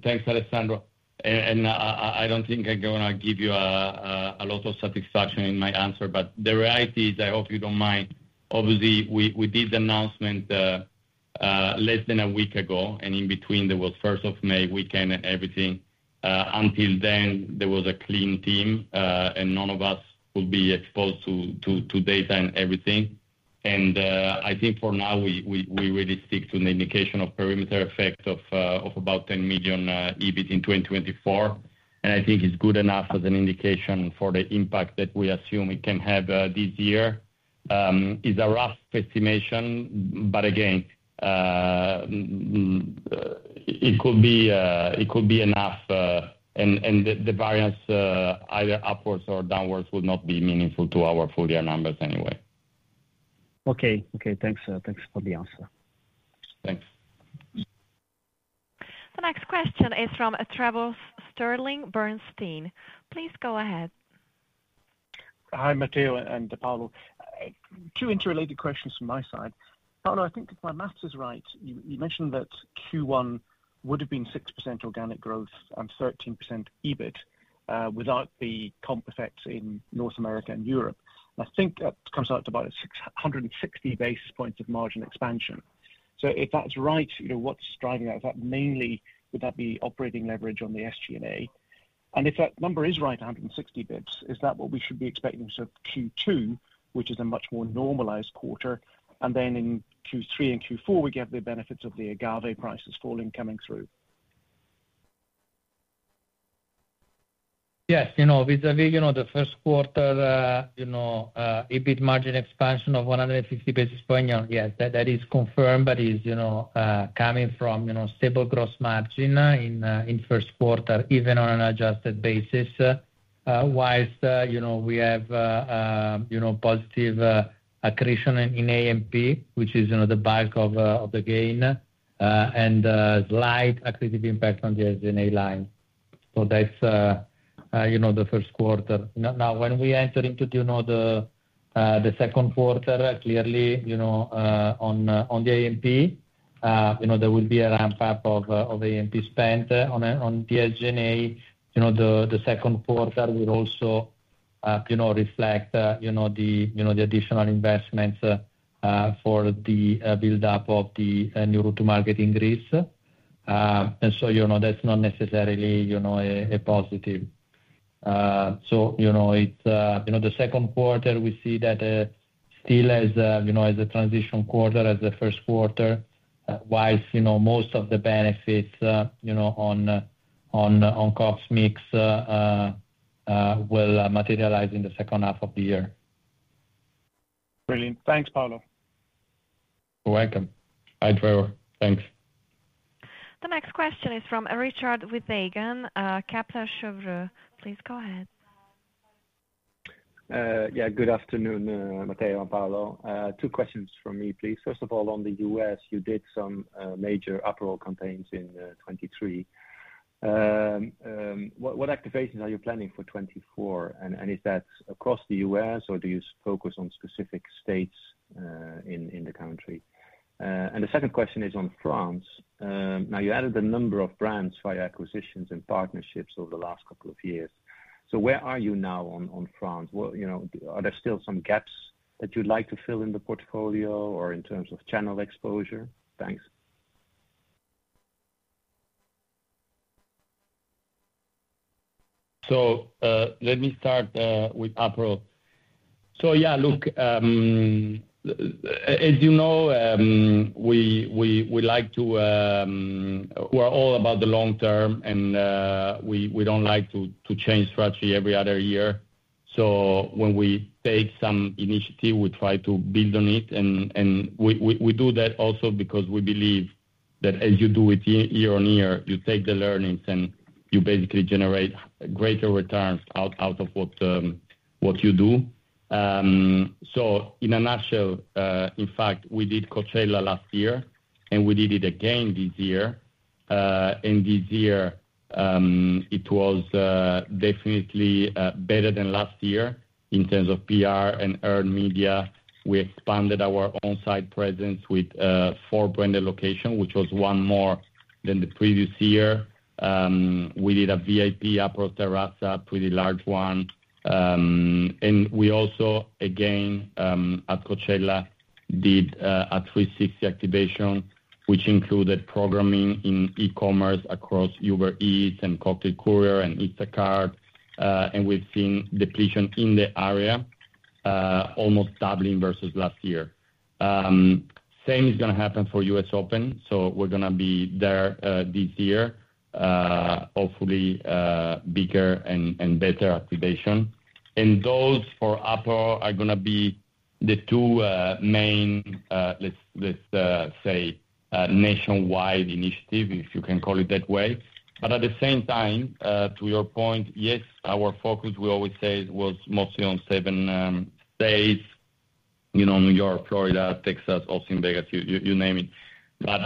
thanks, Alessandro. And, I don't think I'm gonna give you a lot of satisfaction in my answer, but the reality is, I hope you don't mind, obviously, we did the announcement less than a week ago, and in between, there was first of May weekend and everything. Until then, there was a clean team, and none of us will be exposed to data and everything. And, I think for now, we really stick to an indication of perimeter effect of about 10 million EBIT in 2024. And I think it's good enough as an indication for the impact that we assume it can have this year. It's a rough estimation, but again, it could be enough, and the variance, either upwards or downwards, would not be meaningful to our full year numbers anyway. Okay. Okay, thanks, thanks for the answer. Thanks. The next question is from Trevor Stirling, Bernstein. Please go ahead. Hi, Matteo and Paolo. Two interrelated questions from my side. Paolo, I think if my math is right, you mentioned that Q1 would have been 6% organic growth and 13% EBIT, without the comp effects in North America and Europe. I think that comes out to about 660 basis points of margin expansion. So if that's right, you know, what's driving that? Is that mainly, would that be operating leverage on the SG&A? And if that number is right, 160 basis points, is that what we should be expecting, sort of Q2, which is a much more normalized quarter, and then in Q3 and Q4, we get the benefits of the agave prices falling coming through? Yes, you know, vis-à-vis, you know, the first quarter, EBIT margin expansion of 150 basis points. Yes, that is confirmed, but it is, you know, coming from, you know, stable gross margin in the first quarter, even on an adjusted basis. While, you know, we have, you know, positive accretion in A&P, which is, you know, the bulk of the gain, and slight accretive impact on the SG&A line. So that's, you know, the first quarter. Now, when we enter into, you know, the second quarter, clearly, you know, on the A&P, you know, there will be a ramp-up of A&P spend. On the SG&A, you know, the second quarter will also reflect the additional investments for the buildup of the new route to market increase. And so, you know, that's not necessarily a positive. So, you know, it's... You know, the second quarter, we see that still as a transition quarter, as the first quarter, whilst, you know, most of the benefits on COGS mix will materialize in the second half of the year. Brilliant. Thanks, Paolo. You're welcome. Hi, Trevor. Thanks. The next question is from Richard Withagen, Kepler Cheuvreux. Please go ahead. Yeah, good afternoon, Matteo and Paolo. Two questions from me, please. First of all, on the U.S., you did some major Aperol campaigns in 2023. What activations are you planning for 2024? And is that across the U.S. or do you focus on specific states in the country? And the second question is on France. Now, you added a number of brands via acquisitions and partnerships over the last couple of years. So where are you now on France? Well, you know, are there still some gaps that you'd like to fill in the portfolio or in terms of channel exposure? Thanks. So, let me start with Aperol. So yeah, look, as you know, we like to... We're all about the long term, and we don't like to change strategy every other year. So when we take some initiative, we try to build on it, and we do that also because we believe that as you do it year on year, you take the learnings, and you basically generate greater returns out of what you do. So in a nutshell, in fact, we did Coachella last year, and we did it again this year. And this year... It was definitely better than last year in terms of PR and earned media. We expanded our on-site presence with four branded location, which was one more than the previous year. We did a VIP Aperol Terrazza, pretty large one. And we also, again, at Coachella, did a 360 activation, which included programming in e-commerce across Uber Eats and Cocktail Courier and Instacart, and we've seen depletion in the area, almost doubling versus last year. Same is gonna happen for U.S. Open, so we're gonna be there, this year. Hopefully, bigger and better activation. And those, for Aperol, are gonna be the two main, let's say, nationwide initiative, if you can call it that way. But at the same time, to your point, yes, our focus, we always say, was mostly on seven states, you know, New York, Florida, Texas, Austin, Vegas, you name it. But,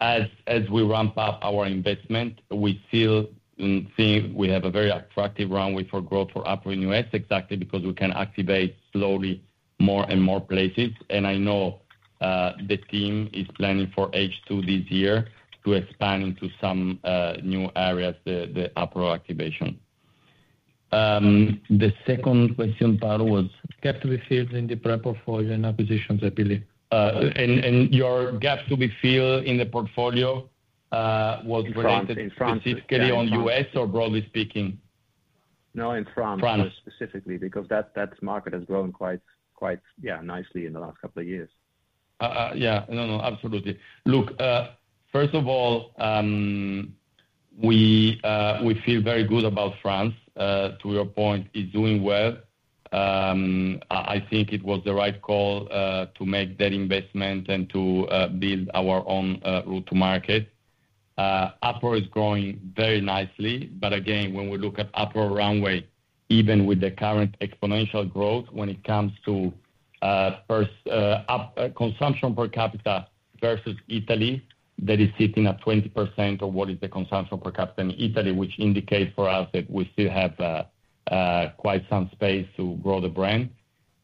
as we ramp up our investment, we still think we have a very attractive runway for growth for Aperol in U.S., exactly because we can activate slowly, more and more places. And I know, the team is planning for H2 this year to expand into some new areas, the Aperol activation. The second question part was? Gap to be filled in the portfolio and acquisitions, I believe. and your gaps to be filled in the portfolio, was- In France. Specifically on U.S. or broadly speaking? No, in France- France specifically, because that market has grown quite, yeah, nicely in the last couple of years. Yeah. No, no, absolutely. Look, first of all, we feel very good about France. To your point, it's doing well. I think it was the right call to make that investment and to build our own route to market. Aperol is growing very nicely, but again, when we look at Aperol runway, even with the current exponential growth, when it comes to consumption per capita versus Italy, that is sitting at 20% of what is the consumption per capita in Italy, which indicates for us that we still have quite some space to grow the brand.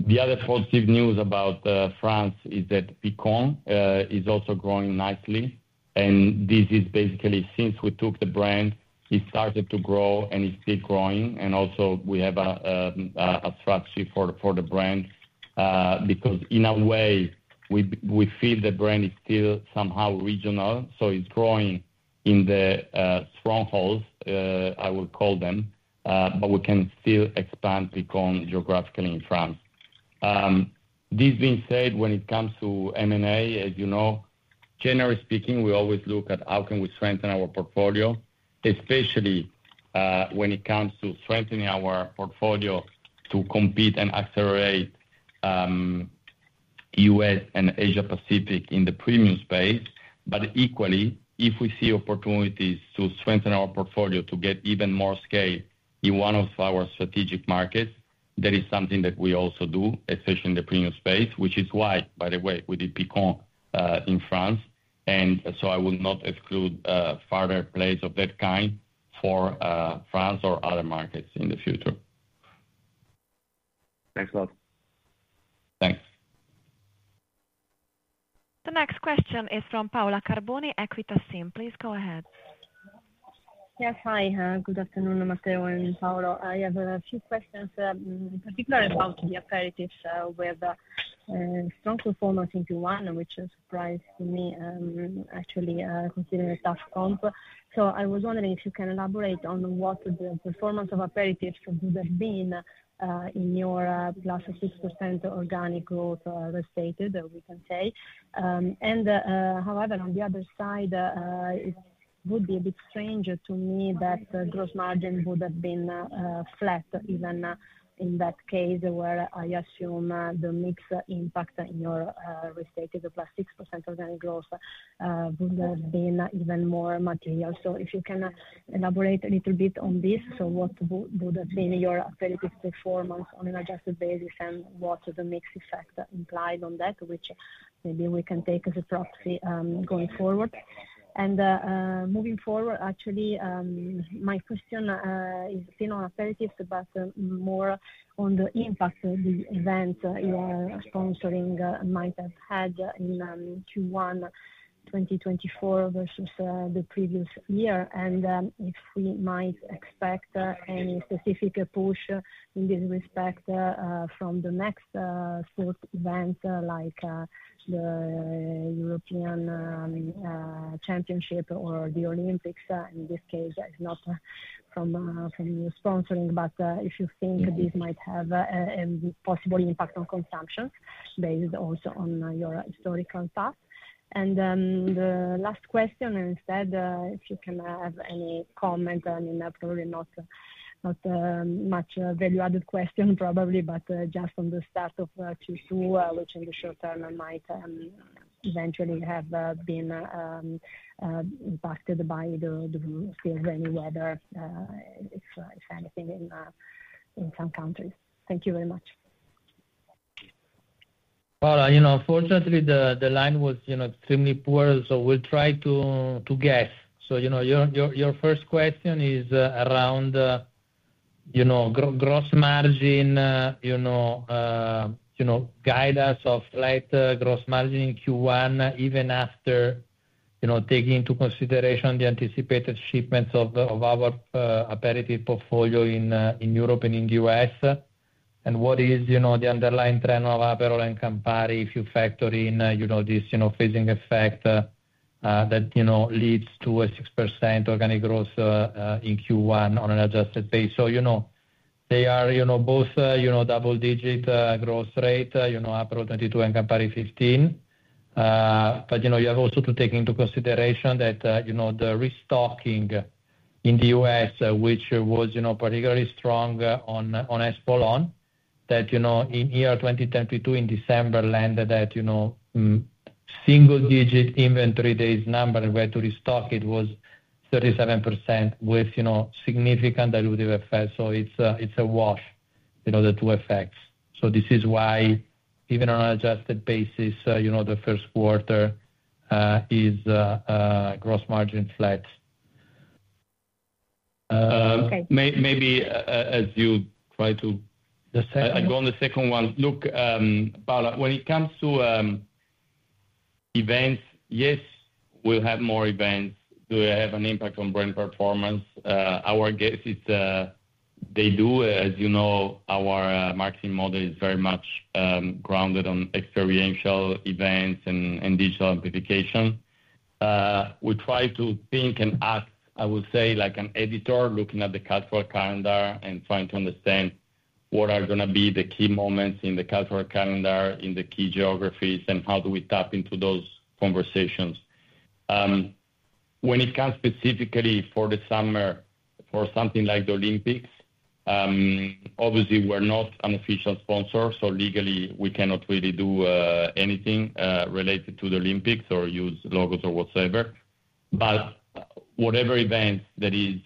The other positive news about France is that Picon is also growing nicely, and this is basically since we took the brand, it started to grow, and it's still growing. And also we have a structure for the brand, because in a way, we feel the brand is still somehow regional, so it's growing in the strongholds I would call them, but we can still expand Picon geographically in France. This being said, when it comes to M&A, as you know, generally speaking, we always look at how can we strengthen our portfolio, especially when it comes to strengthening our portfolio to compete and accelerate U.S. and Asia Pacific in the premium space. But equally, if we see opportunities to strengthen our portfolio to get even more scale in one of our strategic markets, that is something that we also do, especially in the premium space, which is why, by the way, we did Picon in France. And so I would not exclude further plays of that kind for France or other markets in the future. Thanks a lot. Thanks. The next question is from Paola Carboni, Equita SIM. Please go ahead. Yes. Hi. Good afternoon, Matteo and Paolo. I have a few questions, in particular about the aperitif with strong performance in Q1, which is a surprise to me, actually, considering the tough comp. So I was wondering if you can elaborate on what the performance of aperitif would have been in your +6% organic growth, restated, we can say. However, on the other side, it would be a bit strange to me that gross margin would have been flat, even in that case, where I assume the mix impact in your restated +6% organic growth would have been even more material. So if you can elaborate a little bit on this, so what would have been your aperitif performance on an adjusted basis, and what is the mix effect implied on that, which maybe we can take as a proxy, going forward? And, moving forward, actually, my question is still on aperitif, but, more on the impact of the event you are sponsoring might have had in Q1, 2024 versus the previous year. And, if we might expect any specific push in this respect, from the next sport event, like the European Championship or the Olympics, in this case, it's not from your sponsoring, but if you think this might have a possible impact on consumption based also on your historical path. The last question, and instead, if you can have any comment on, I mean, probably not, much value-added question, probably, but just on the start of Q2, which in the short term might eventually have been impacted by the still rainy weather, if anything, in some countries. Thank you very much. ...Well, you know, unfortunately, the line was, you know, extremely poor, so we'll try to guess. So, you know, your first question is around, you know, gross margin, you know, guidance of light gross margin in Q1, even after, you know, taking into consideration the anticipated shipments of our aperitif portfolio in Europe and in the U.S. And what is, you know, the underlying trend of Aperol and Campari if you factor in, you know, this, you know, phasing effect that you know leads to a 6% organic growth in Q1 on an adjusted basis. So, you know, they are, you know, both, you know, double digit growth rate, you know, Aperol 22 and Campari 15. But, you know, you have also to take into consideration that, you know, the restocking in the U.S., which was, you know, particularly strong, on, on Espolòn. That, you know, in year 2022, in December, landed that, you know, single digit inventory days number where to restock it was 37% with, you know, significant dilutive effect. So it's a, it's a wash, you know, the two effects. So this is why even on an adjusted basis, you know, the first quarter, is, gross margin flat. Okay. Maybe, as you try to- The second one. Go on the second one. Look, Paola, when it comes to, events, yes, we'll have more events. Do they have an impact on brand performance? Our guess is, they do. As you know, our marketing model is very much grounded on experiential events and digital amplification. We try to think and act, I would say, like an editor looking at the cultural calendar and trying to understand what are gonna be the key moments in the cultural calendar, in the key geographies, and how do we tap into those conversations. When it comes specifically for the summer, for something like the Olympics, obviously we're not an official sponsor, so legally we cannot really do anything related to the Olympics or use logos or whatsoever. But whatever event that is,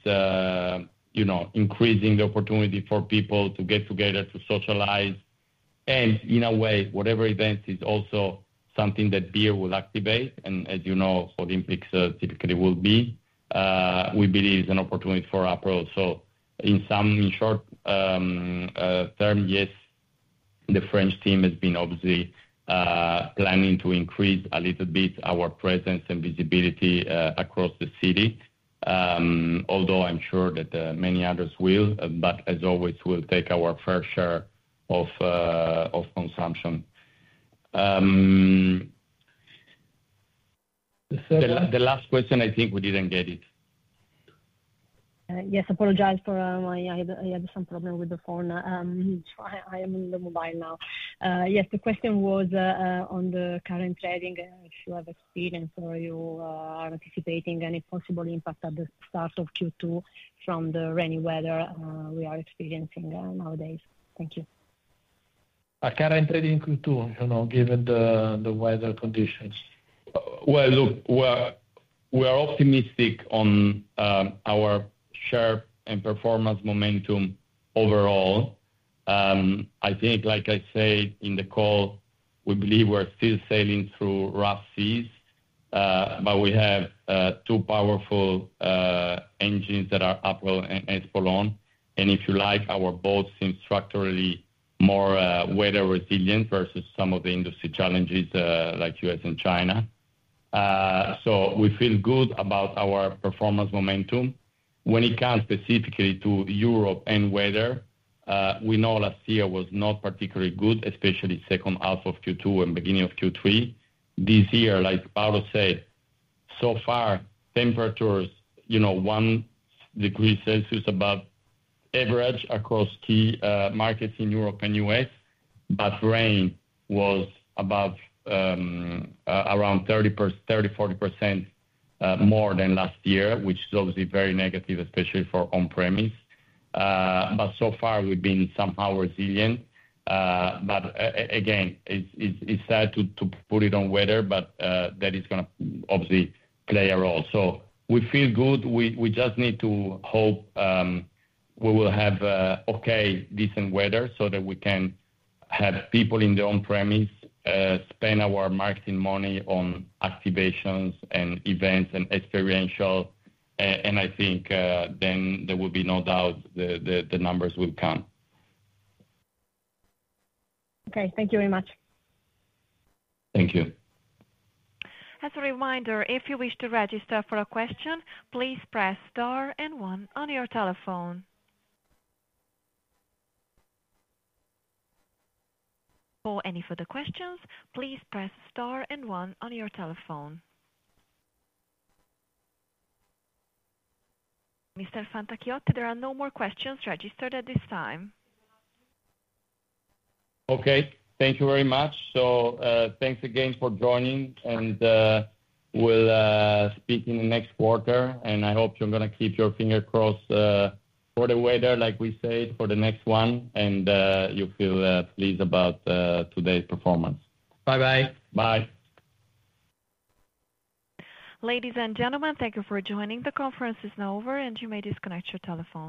you know, increasing the opportunity for people to get together, to socialize, and in a way, whatever event, is also something that beer will activate. And as you know, Olympics typically will be, we believe is an opportunity for Aperol. So in some short term, yes, the French team has been obviously planning to increase a little bit our presence and visibility across the city. Although I'm sure that many others will, but as always, we'll take our fair share of consumption. The last question, I think we didn't get it. Yes, I apologize for, I had some problem with the phone. I am on the mobile now. Yes, the question was on the current trading, if you have experience or you are anticipating any possible impact at the start of Q2 from the rainy weather we are experiencing nowadays. Thank you. Current trading in Q2, you know, given the weather conditions. Well, look, we are optimistic on our share and performance momentum overall. I think, like I said in the call, we believe we're still sailing through rough seas, but we have two powerful engines that are Aperol and Espolòn. And if you like, our boat seems structurally more weather resilient versus some of the industry challenges, like U.S. and China. So we feel good about our performance momentum. When it comes specifically to Europe and weather, we know last year was not particularly good, especially second half of Q2 and beginning of Q3. This year, like Paolo said, so far, temperatures, you know, one degree Celsius above average across key markets in Europe and U.S., but rain was above around 30%-40% more than last year, which is obviously very negative, especially for on-premise. But so far we've been somehow resilient. But again, it's sad to put it on weather, but that is gonna obviously play a role. So we feel good. We just need to hope we will have a okay, decent weather, so that we can have people in the on-premise spend our marketing money on activations and events and experiential. And I think, then there will be no doubt the numbers will come. Okay. Thank you very much. Thank you. As a reminder, if you wish to register for a question, please press star and one on your telephone. For any further questions, please press star and one on your telephone. Mr. Fantacchiotti, there are no more questions registered at this time. Okay, thank you very much. So, thanks again for joining, and we'll speak in the next quarter, and I hope you're gonna keep your finger crossed for the weather, like we said, for the next one, and you feel pleased about today's performance. Bye-bye. Bye. Ladies and gentlemen, thank you for joining. The conference is now over, and you may disconnect your telephone.